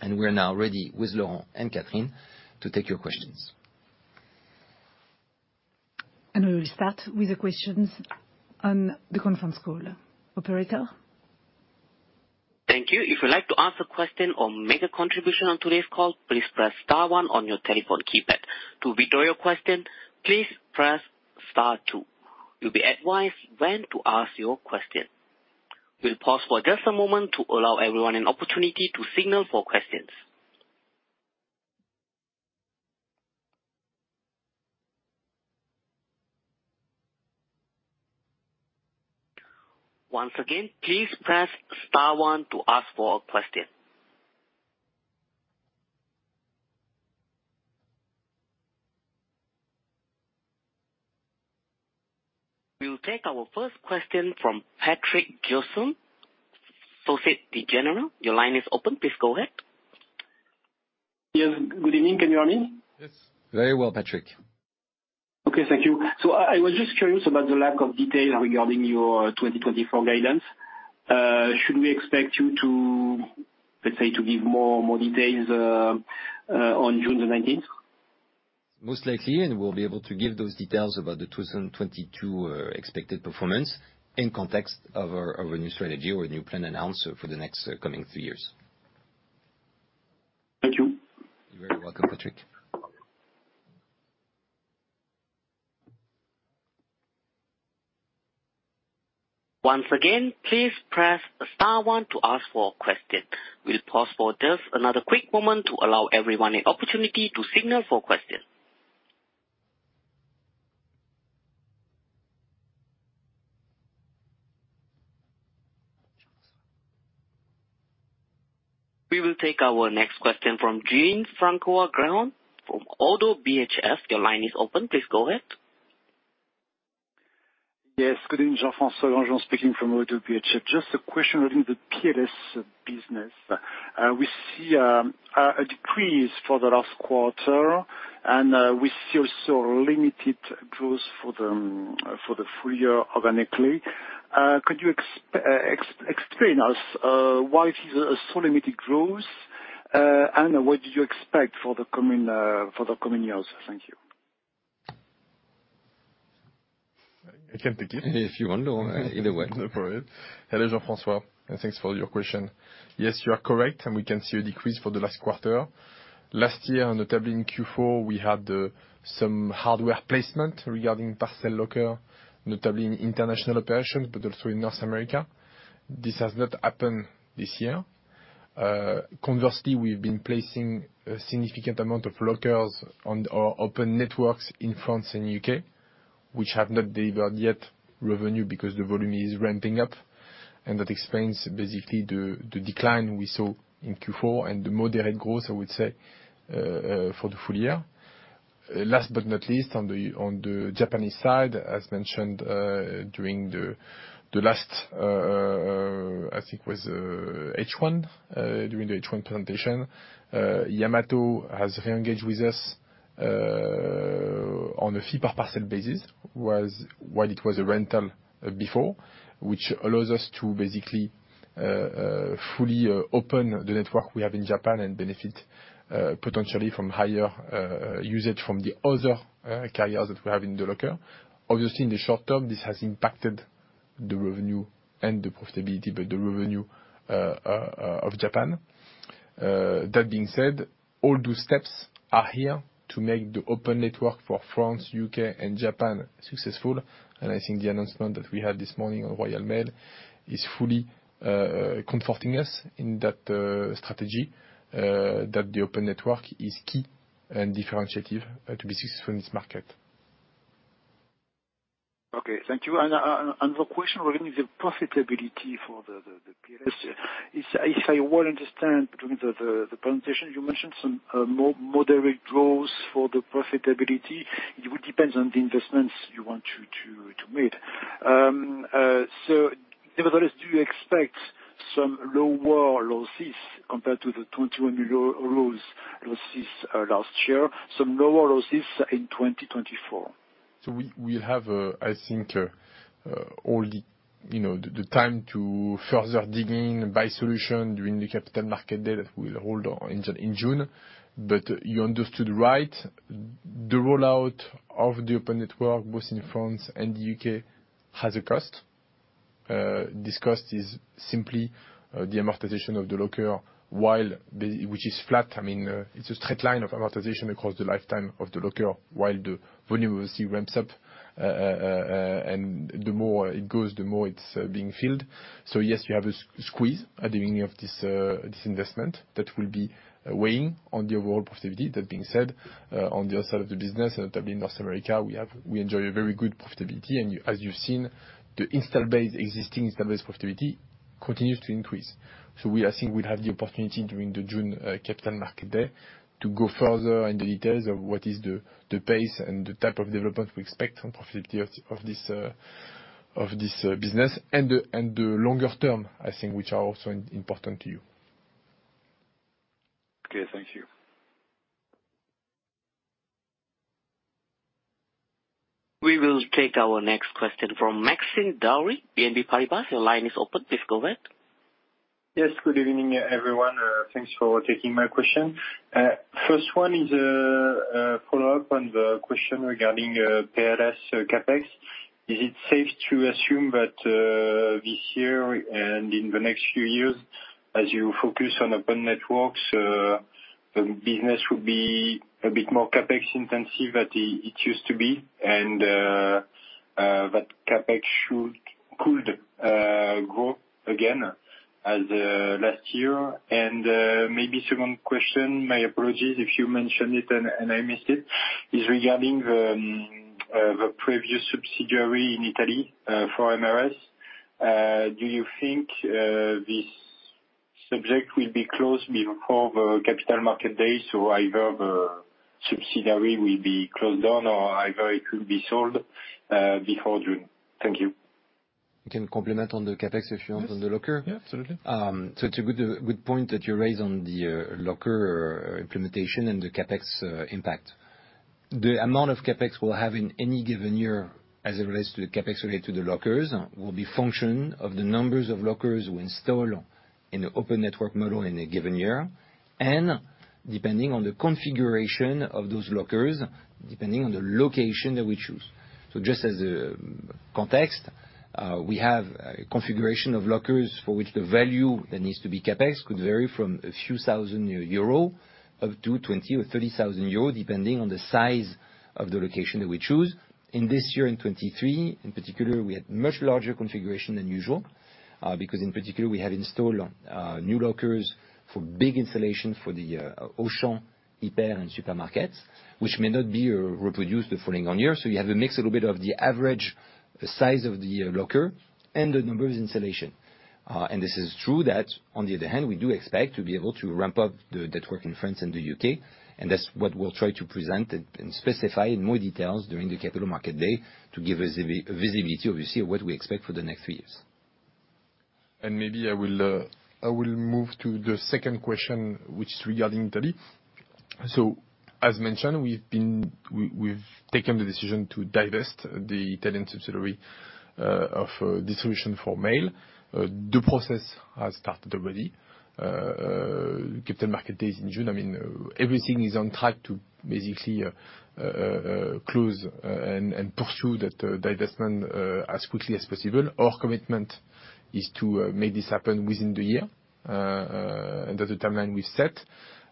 We're now ready with Laurent and Catherine to take your questions. We will start with the questions on the conference call. Operator? Thank you. If you'd like to ask a question or make a contribution on today's call, please press star 1 on your telephone keypad. To withdraw your question, please press star 2. You'll be advised when to ask your question. We'll pause for just a moment to allow everyone an opportunity to signal for questions. Once again, please press star 1 to ask for a question. We'll take our first question from Patrick Jousseaume, Société Générale. Your line is open. Please go ahead. Yes. Good evening. Can you hear me? Yes. Very well, Patrick. Okay. Thank you. So I was just curious about the lack of detail regarding your 2024 guidance. Should we expect you to, let's say, to give more and more details on June the 19th? Most likely. We'll be able to give those details about the 2022 expected performance in context of our new strategy or new plan announced for the next coming three years. Thank you. You're very welcome, Patrick. Once again, please press star 1 to ask for a question. We'll pause for just another quick moment to allow everyone an opportunity to signal for a question. We will take our next question from Jean-François Granjon from Oddo BHF. Your line is open. Please go ahead. Yes. Good evening, Jean-François. Bonjour. Speaking from Oddo BHF. Just a question regarding the PLS business. We see a decrease for the last quarter. We see also limited growth for the full year organically. Could you explain to us why this is a so limited growth? And what do you expect for the coming years? Thank you. I can take it. If you want to, either way. No problem. Hello, Jean-François. And thanks for your question. Yes, you are correct. And we can see a decrease for the last quarter. Last year, notably in Q4, we had some hardware placement regarding parcel locker, notably in international operations but also in North America. This has not happened this year. Conversely, we've been placing a significant amount of lockers on our open networks in France and U.K., which have not delivered yet revenue because the volume is ramping up. And that explains, basically, the decline we saw in Q4 and the moderate growth, I would say, for the full year. Last but not least, on the Japanese side, as mentioned during the last, I think it was H1, during the H1 presentation, Yamato has re-engaged with us on a fee-per-parcel basis, while it was a rental before, which allows us to, basically, fully open the network we have in Japan and benefit potentially from higher usage from the other carriers that we have in the locker. Obviously, in the short term, this has impacted the revenue and the profitability, but the revenue of Japan. That being said, all those steps are here to make the open network for France, U.K., and Japan successful. And I think the announcement that we had this morning on Royal Mail is fully comforting us in that strategy, that the open network is key and differentiative to be successful in this market. Okay. Thank you. Another question regarding the profitability for the PLS. If I well understand, during the presentation, you mentioned some moderate growth for the profitability. It would depend on the investments you want to make. So nevertheless, do you expect some lower losses compared to the 21 million euros losses last year, some lower losses in 2024? So we'll have, I think, all the time to further dig in, PLS solution during the Capital Markets Day that we'll hold in June. But you understood, right. The rollout of the open network, both in France and the UK, has a cost. This cost is simply the amortization of the locker, which is flat. I mean, it's a straight line of amortization across the lifetime of the locker while the volume obviously ramps up. And the more it goes, the more it's being filled. So yes, you have a squeeze at the beginning of this investment that will be weighing on the overall profitability. That being said, on the other side of the business, notably in North America, we enjoy a very good profitability. And as you've seen, the existing installed-base profitability continues to increase. So, I think we'll have the opportunity during the June Capital Markets Day to go further in the details of what is the pace and the type of development we expect from profitability of this business and the longer term, I think, which are also important to you. Okay. Thank you. We will take our next question from Maxime Daury, BNP Paribas. Your line is open. Please go ahead. Yes. Good evening, everyone. Thanks for taking my question. First one is a follow-up on the question regarding PLS CapEx. Is it safe to assume that this year and in the next few years, as you focus on open networks, the business will be a bit more CapEx-intensive than it used to be and that CapEx could grow again as last year? And maybe second question, my apologies if you mentioned it and I missed it, is regarding the previous subsidiary in Italy for MRS. Do you think this subject will be closed before the Capital Markets Day, so either the subsidiary will be closed down or either it will be sold before June? Thank you. I can comment on the CapEx efficiency on the locker. Yeah. Absolutely. So it's a good point that you raise on the locker implementation and the CapEx impact. The amount of CapEx we'll have in any given year as it relates to the CapEx related to the lockers will be a function of the numbers of lockers we install in the open network model in a given year and depending on the configuration of those lockers, depending on the location that we choose. So just as a context, we have a configuration of lockers for which the value that needs to be CapEx could vary from a few thousand EUR up to 20,000 or 30,000, depending on the size of the location that we choose. In this year, in 2023, in particular, we had a much larger configuration than usual because, in particular, we have installed new lockers for big installation for the Auchan, hyper, and supermarkets, which may not be reproduced the following on year. So you have a mix a little bit of the average size of the locker and the number of installation. And this is true that, on the other hand, we do expect to be able to ramp up the network in France and the U.K. And that's what we'll try to present and specify in more details during the Capital Markets Day to give us visibility, obviously, of what we expect for the next three years. Maybe I will move to the second question, which is regarding Italy. As mentioned, we've taken the decision to divest the Italian subsidiary of distribution for mail. The process has started already. Capital Markets Day is in June, I mean, everything is on track to basically close and pursue that divestment as quickly as possible. Our commitment is to make this happen within the year and at the timeline we've set.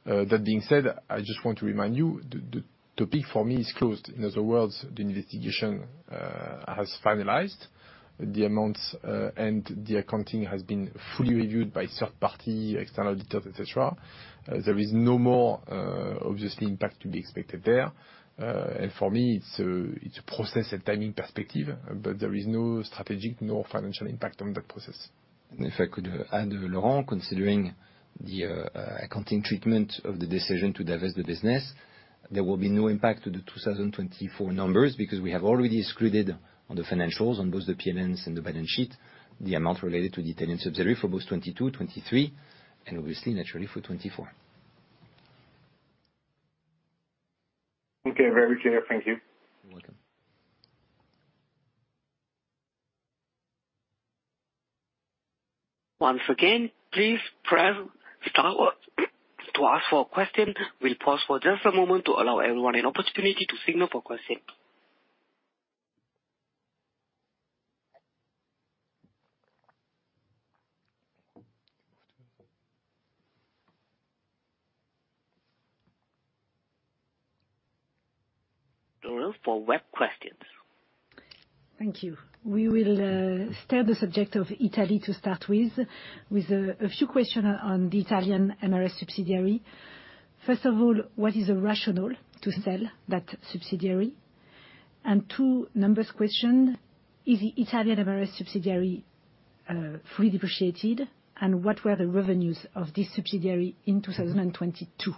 That being said, I just want to remind you, the topic for me is closed. In other words, the investigation has finalized. The amounts and the accounting has been fully reviewed by third-party external auditors, etc. There is no more, obviously, impact to be expected there. For me, it's a process and timing perspective. There is no strategic nor financial impact on that process. And if I could add, Laurent, considering the accounting treatment of the decision to divest the business, there will be no impact to the 2024 numbers because we have already excluded on the financials, on both the P&Ls and the balance sheet, the amount related to the Italian subsidiary for both 2022, 2023, and obviously, naturally, for 2024. Okay. Very clear. Thank you. You're welcome. Once again, please press star one to ask for a question. We'll pause for just a moment to allow everyone an opportunity to signal for a question. Now, for web questions. Thank you. We will stay at the subject of Italy to start with, with a few questions on the Italian MRS subsidiary. First of all, what is the rationale to sell that subsidiary? And two, numbers question. Is the Italian MRS subsidiary fully depreciated? And what were the revenues of this subsidiary in 2022?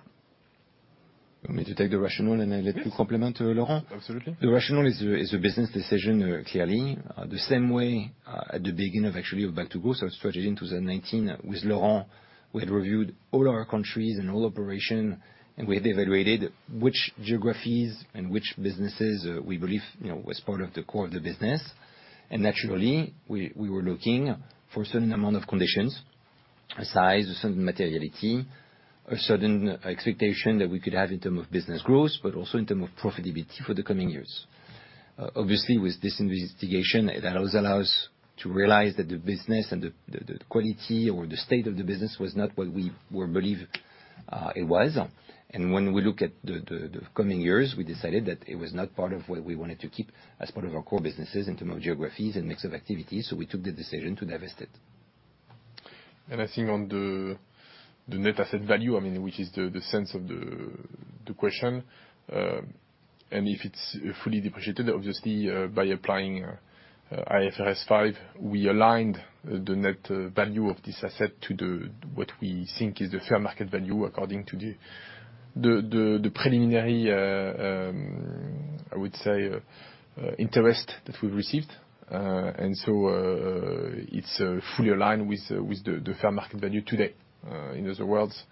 Let me take the rationale. And I'll let you complement, Laurent. Absolutely. The rationale is a business decision, clearly, the same way at the beginning, actually, of Back to Growth. So at strategy in 2019, with Laurent, we had reviewed all our countries and all operations. And we had evaluated which geographies and which businesses we believe were part of the core of the business. And naturally, we were looking for a certain amount of conditions, a size, a certain materiality, a certain expectation that we could have in terms of business growth but also in terms of profitability for the coming years. Obviously, with this investigation, it also allows us to realize that the business and the quality or the state of the business was not what we believed it was. When we look at the coming years, we decided that it was not part of what we wanted to keep as part of our core businesses in terms of geographies and mix of activities. We took the decision to divest it. I think on the net asset value, I mean, which is the sense of the question, and if it's fully depreciated, obviously, by applying IFRS 5, we aligned the net value of this asset to what we think is the fair market value according to the preliminary, I would say, interest that we've received. And so it's fully aligned with the fair market value today. In other words,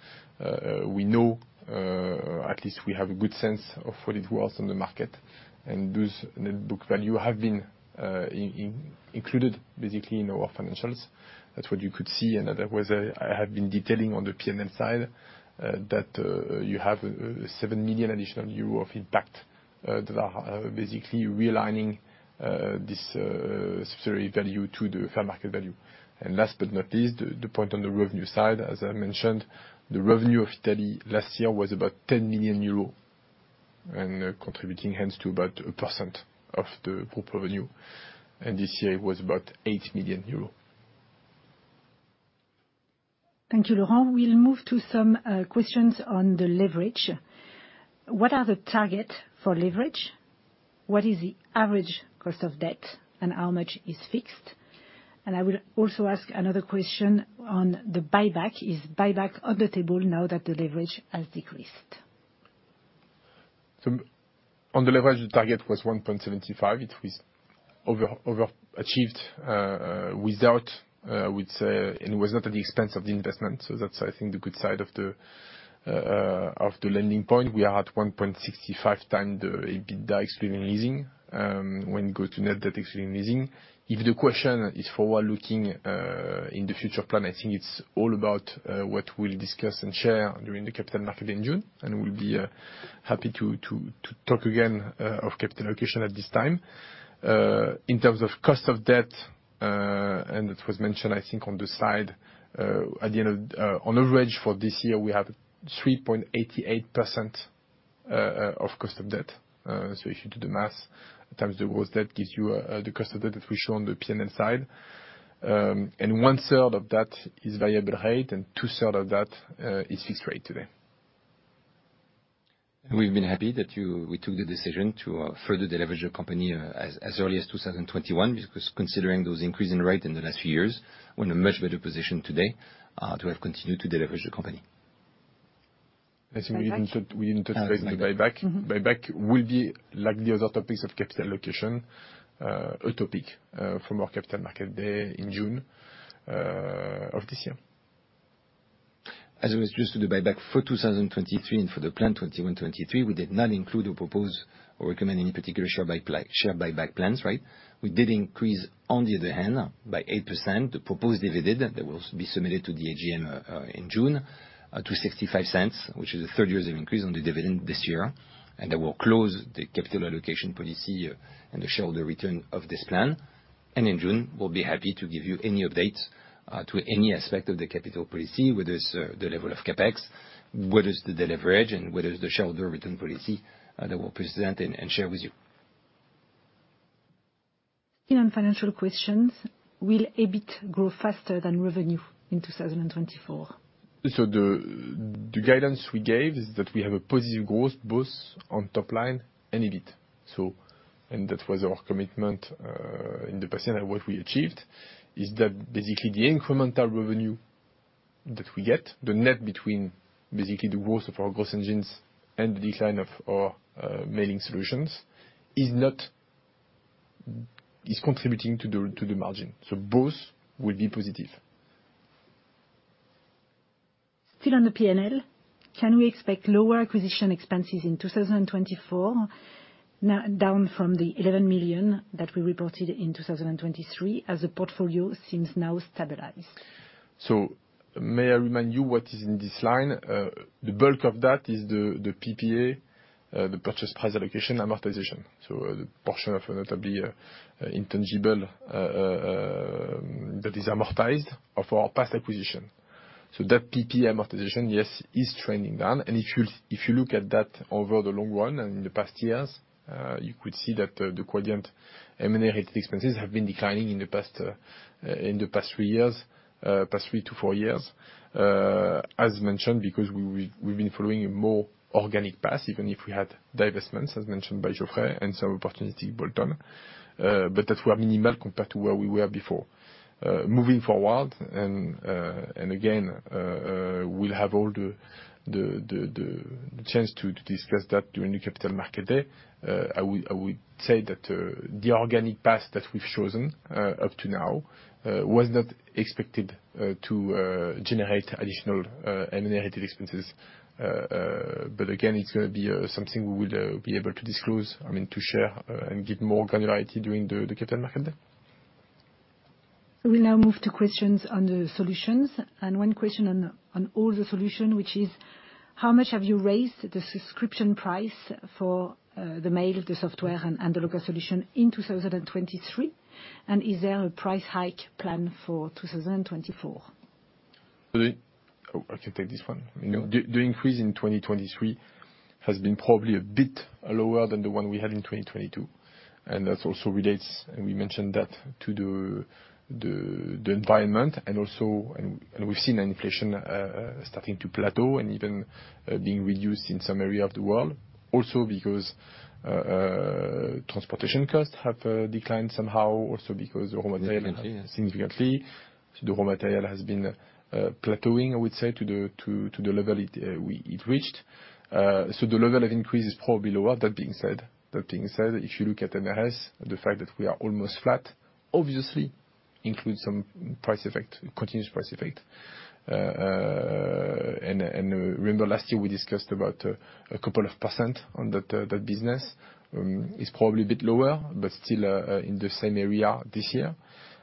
we know at least we have a good sense of what it was on the market. And those net book values have been included, basically, in our financials. That's what you could see. And otherwise, I have been detailing on the P&L side that you have 7 million additional euro of impact that are basically realigning this subsidiary value to the fair market value. Last but not least, the point on the revenue side, as I mentioned, the revenue of Italy last year was about 10 million euros and contributing, hence, to about 1% of the gross revenue. This year, it was about 8 million euros. Thank you, Laurent. We'll move to some questions on the leverage. What are the targets for leverage? What is the average cost of debt? And how much is fixed? And I will also ask another question on the buyback. Is buyback on the table now that the leverage has decreased? So on the leverage, the target was 1.75. It was overachieved without, I would say, and it was not at the expense of the investment. So that's, I think, the good side of the landing point. We are at 1.65 times the EBITDA excluding leasing when we go to net debt excluding leasing. If the question is forward-looking in the future plan, I think it's all about what we'll discuss and share during the Capital Markets Day in June. And we'll be happy to talk again of capital allocation at this time. In terms of cost of debt, and that was mentioned, I think, on the side, at the end, on average, for this year, we have 3.88% of cost of debt. So if you do the math times the gross debt, it gives you the cost of debt that we show on the P&L side. One-third of that is variable rate. Two-thirds of that is fixed rate today. We've been happy that we took the decision to further deleverage the company as early as 2021 because considering those increase in rate in the last few years, we're in a much better position today to have continued to deleverage the company. I think we didn't touch the buyback. Buyback will be, like the other topics of capital allocation, a topic from our Capital Markets Day in June of this year. As it was just to the buyback for 2023 and for the plan 2021-2023, we did not include or propose or recommend any particular share buyback plans, right? We did increase, on the other hand, by 8% the proposed dividend that will be submitted to the AGM in June to 0.65, which is a third-year increase on the dividend this year. And that will close the capital allocation policy and the shareholder return of this plan. And in June, we'll be happy to give you any update to any aspect of the capital policy, whether it's the level of CapEx, whether it's the deleverage, and whether it's the shareholder return policy that we'll present and share with you. Financial questions. Will EBIT grow faster than revenue in 2024? The guidance we gave is that we have a positive growth both on topline and EBIT. That was our commitment in the past. What we achieved is that, basically, the incremental revenue that we get, the net between basically the growth of our growth engines and the decline of our mailing solutions, is contributing to the margin. Both will be positive. Still on the PNL, can we expect lower acquisition expenses in 2024, down from the 11 million that we reported in 2023 as the portfolio seems now stabilized? So may I remind you what is in this line? The bulk of that is the PPA, the purchase price allocation amortization, so the portion of a notably intangible that is amortized of our past acquisition. So that PPA amortization, yes, is trending down. And if you look at that over the long run and in the past years, you could see that the Quadient M&A-related expenses have been declining in the past 3 years, past 3 to 4 years, as mentioned because we've been following a more organic path, even if we had divestments, as mentioned by Geoffrey and some opportunity bolt-on, but that were minimal compared to where we were before. Moving forward, and again, we'll have all the chance to discuss that during the Capital Markets Day, I would say that the organic path that we've chosen up to now was not expected to generate additional M&A-related expenses. But again, it's going to be something we will be able to disclose, I mean, to share and give more granularity during the Capital Markets Day. We'll now move to questions on the solutions. One question on all the solution, which is, how much have you raised the subscription price for the mail, the software, and the locker solution in 2023? Is there a price hike plan for 2024? Oh, I can take this one. I mean, the increase in 2023 has been probably a bit lower than the one we had in 2022. And that also relates, and we mentioned that, to the environment. And we've seen inflation starting to plateau and even being reduced in some area of the world also because transportation costs have declined somehow also because the raw material has significantly. So the raw material has been plateauing, I would say, to the level it reached. So the level of increase is probably lower. That being said, if you look at MRS, the fact that we are almost flat, obviously, includes some continuous price effect. And remember, last year, we discussed about a couple of percent on that business. It's probably a bit lower but still in the same area this year.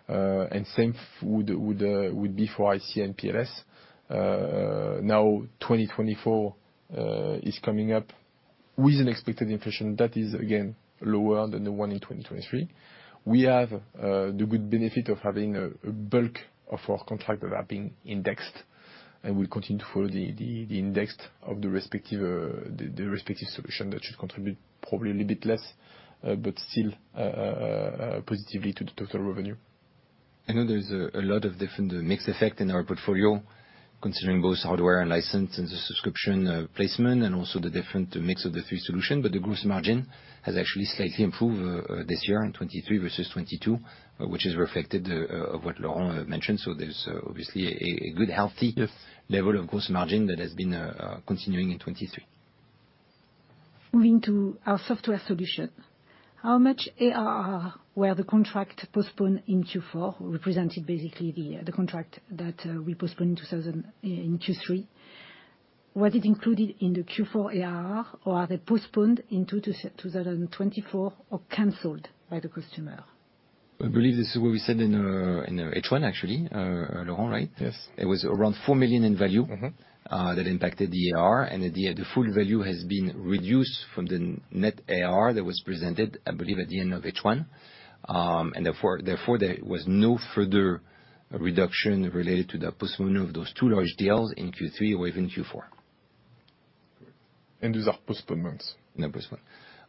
And same would be for ICA and PLS. Now, 2024 is coming up with an expected inflation that is, again, lower than the one in 2023. We have the good benefit of having a bulk of our contract that are being indexed. We'll continue to follow the index of the respective solution that should contribute probably a little bit less but still positively to the total revenue. I know there's a lot of different mixed effects in our portfolio considering both hardware and license and the subscription placement and also the different mix of the three solutions. But the gross margin has actually slightly improved this year in 2023 versus 2022, which is reflected of what Laurent mentioned. So there's, obviously, a good, healthy level of gross margin that has been continuing in 2023. Moving to our software solution. How much ARR were the contract postponed in Q4 represented, basically, the contract that we postponed in Q3? Was it included in the Q4 ARR, or are they postponed into 2024 or cancelled by the customer? I believe this is what we said in H1, actually, Laurent, right? Yes. It was around 4 million in value that impacted the ARR. The full value has been reduced from the net ARR that was presented, I believe, at the end of H1. Therefore, there was no further reduction related to the postponement of those two large deals in Q3 or even Q4. Those are postponements. Postponement.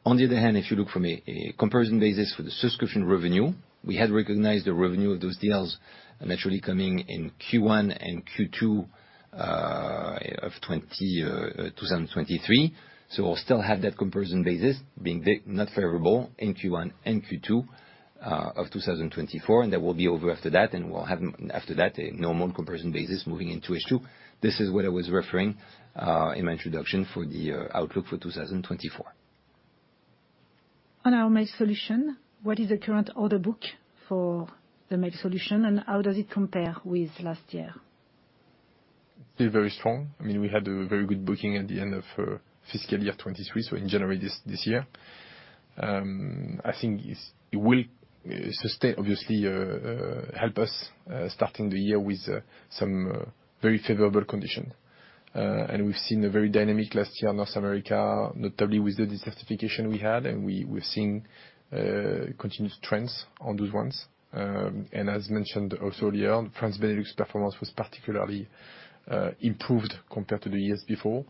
On the other hand, if you look from a comparison basis for the subscription revenue, we had recognized the revenue of those deals naturally coming in Q1 and Q2 of 2023. So we'll still have that comparison basis being not favorable in Q1 and Q2 of 2024. And that will be over after that. And we'll have, after that, a normal comparison basis moving into H2. This is what I was referring in my introduction for the outlook for 2024. On our mail solution, what is the current order book for the mail solution? How does it compare with last year? It's still very strong. I mean, we had a very good booking at the end of fiscal year 2023, so in January this year. I think it will, obviously, help us starting the year with some very favorable conditions. And we've seen a very dynamic last year, North America, notably with the decertification we had. And we've seen continuous trends on those ones. And as mentioned also earlier, France Benelux performance was particularly improved compared to the years before.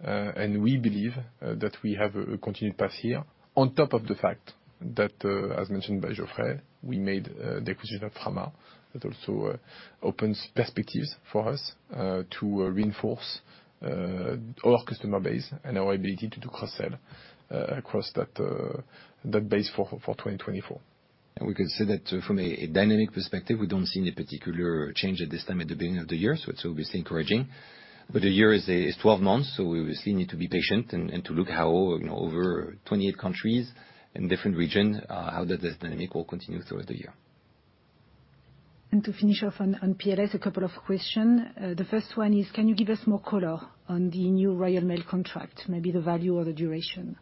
And we believe that we have a continued path here on top of the fact that, as mentioned by Geoffrey, we made the acquisition of Frama. That also opens perspectives for us to reinforce our customer base and our ability to do cross-sell across that base for 2024. We could say that from a dynamic perspective, we don't see any particular change at this time at the beginning of the year. It's obviously encouraging. A year is 12 months. We obviously need to be patient and to look how, over 28 countries and different regions, how that dynamic will continue throughout the year. To finish off on PLS, a couple of questions. The first one is, can you give us more color on the new Royal Mail contract, maybe the value or the duration?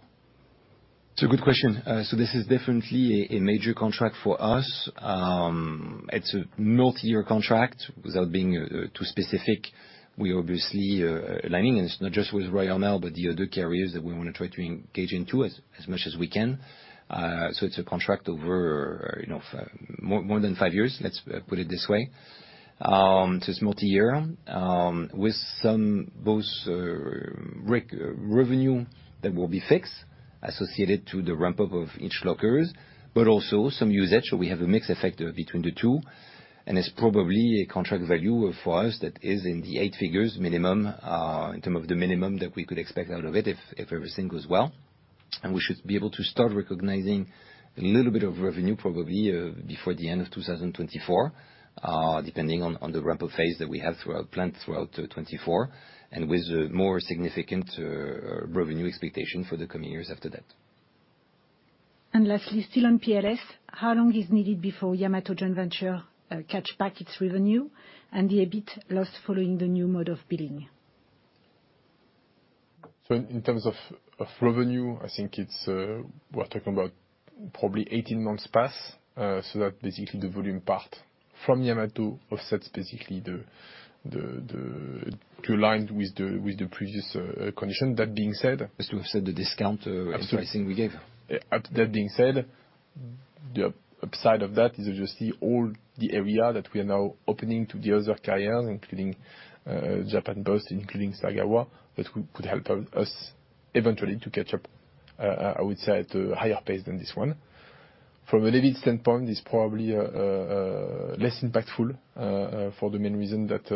It's a good question. So this is definitely a major contract for us. It's a multi-year contract. Without being too specific, we're obviously aligning, and it's not just with Royal Mail but the other carriers that we want to try to engage into as much as we can. So it's a contract over more than five years, let's put it this way. So it's multi-year with both revenue that will be fixed associated to the ramp-up of each locker but also some usage. So we have a mixed effect between the two. And it's probably a contract value for us that is in the eight figures minimum in terms of the minimum that we could expect out of it if everything goes well. We should be able to start recognising a little bit of revenue, probably, before the end of 2024, depending on the ramp-up phase that we have planned throughout 2024 and with more significant revenue expectation for the coming years after that. Lastly, still on PLS, how long is needed before Yamato Joint Venture catch back its revenue and the EBIT lost following the new mode of billing? In terms of revenue, I think we're talking about probably 18 months past so that, basically, the volume part from Yamato offsets, basically, to align with the previous condition. That being said. To offset the discount pricing we gave. Absolutely. That being said, the upside of that is, obviously, all the area that we are now opening to the other carriers, including Japan Post and including Sagawa, that could help us eventually to catch up, I would say, at a higher pace than this one. From an EBIT standpoint, it's probably less impactful for the main reason that,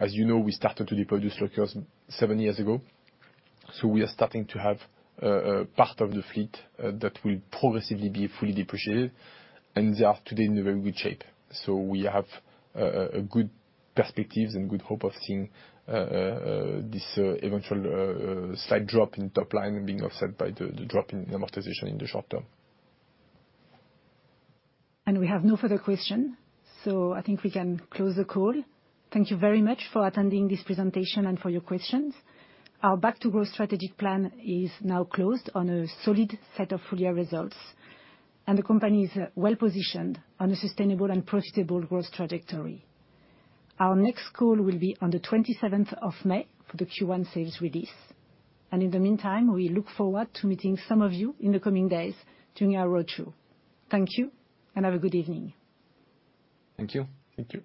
as you know, we started to deploy those lockers seven years ago. So we are starting to have part of the fleet that will progressively be fully depreciated. And they are today in a very good shape. So we have good perspectives and good hope of seeing this eventual slight drop in topline being offset by the drop in amortization in the short term. We have no further questions. I think we can close the call. Thank you very much for attending this presentation and for your questions. Our Back to Growth strategic plan is now closed on a solid set of full-year results. The company is well-positioned on a sustainable and profitable growth trajectory. Our next call will be on the 27th of May for the Q1 sales release. In the meantime, we look forward to meeting some of you in the coming days during our roadshow. Thank you, and have a good evening. Thank you. Thank you.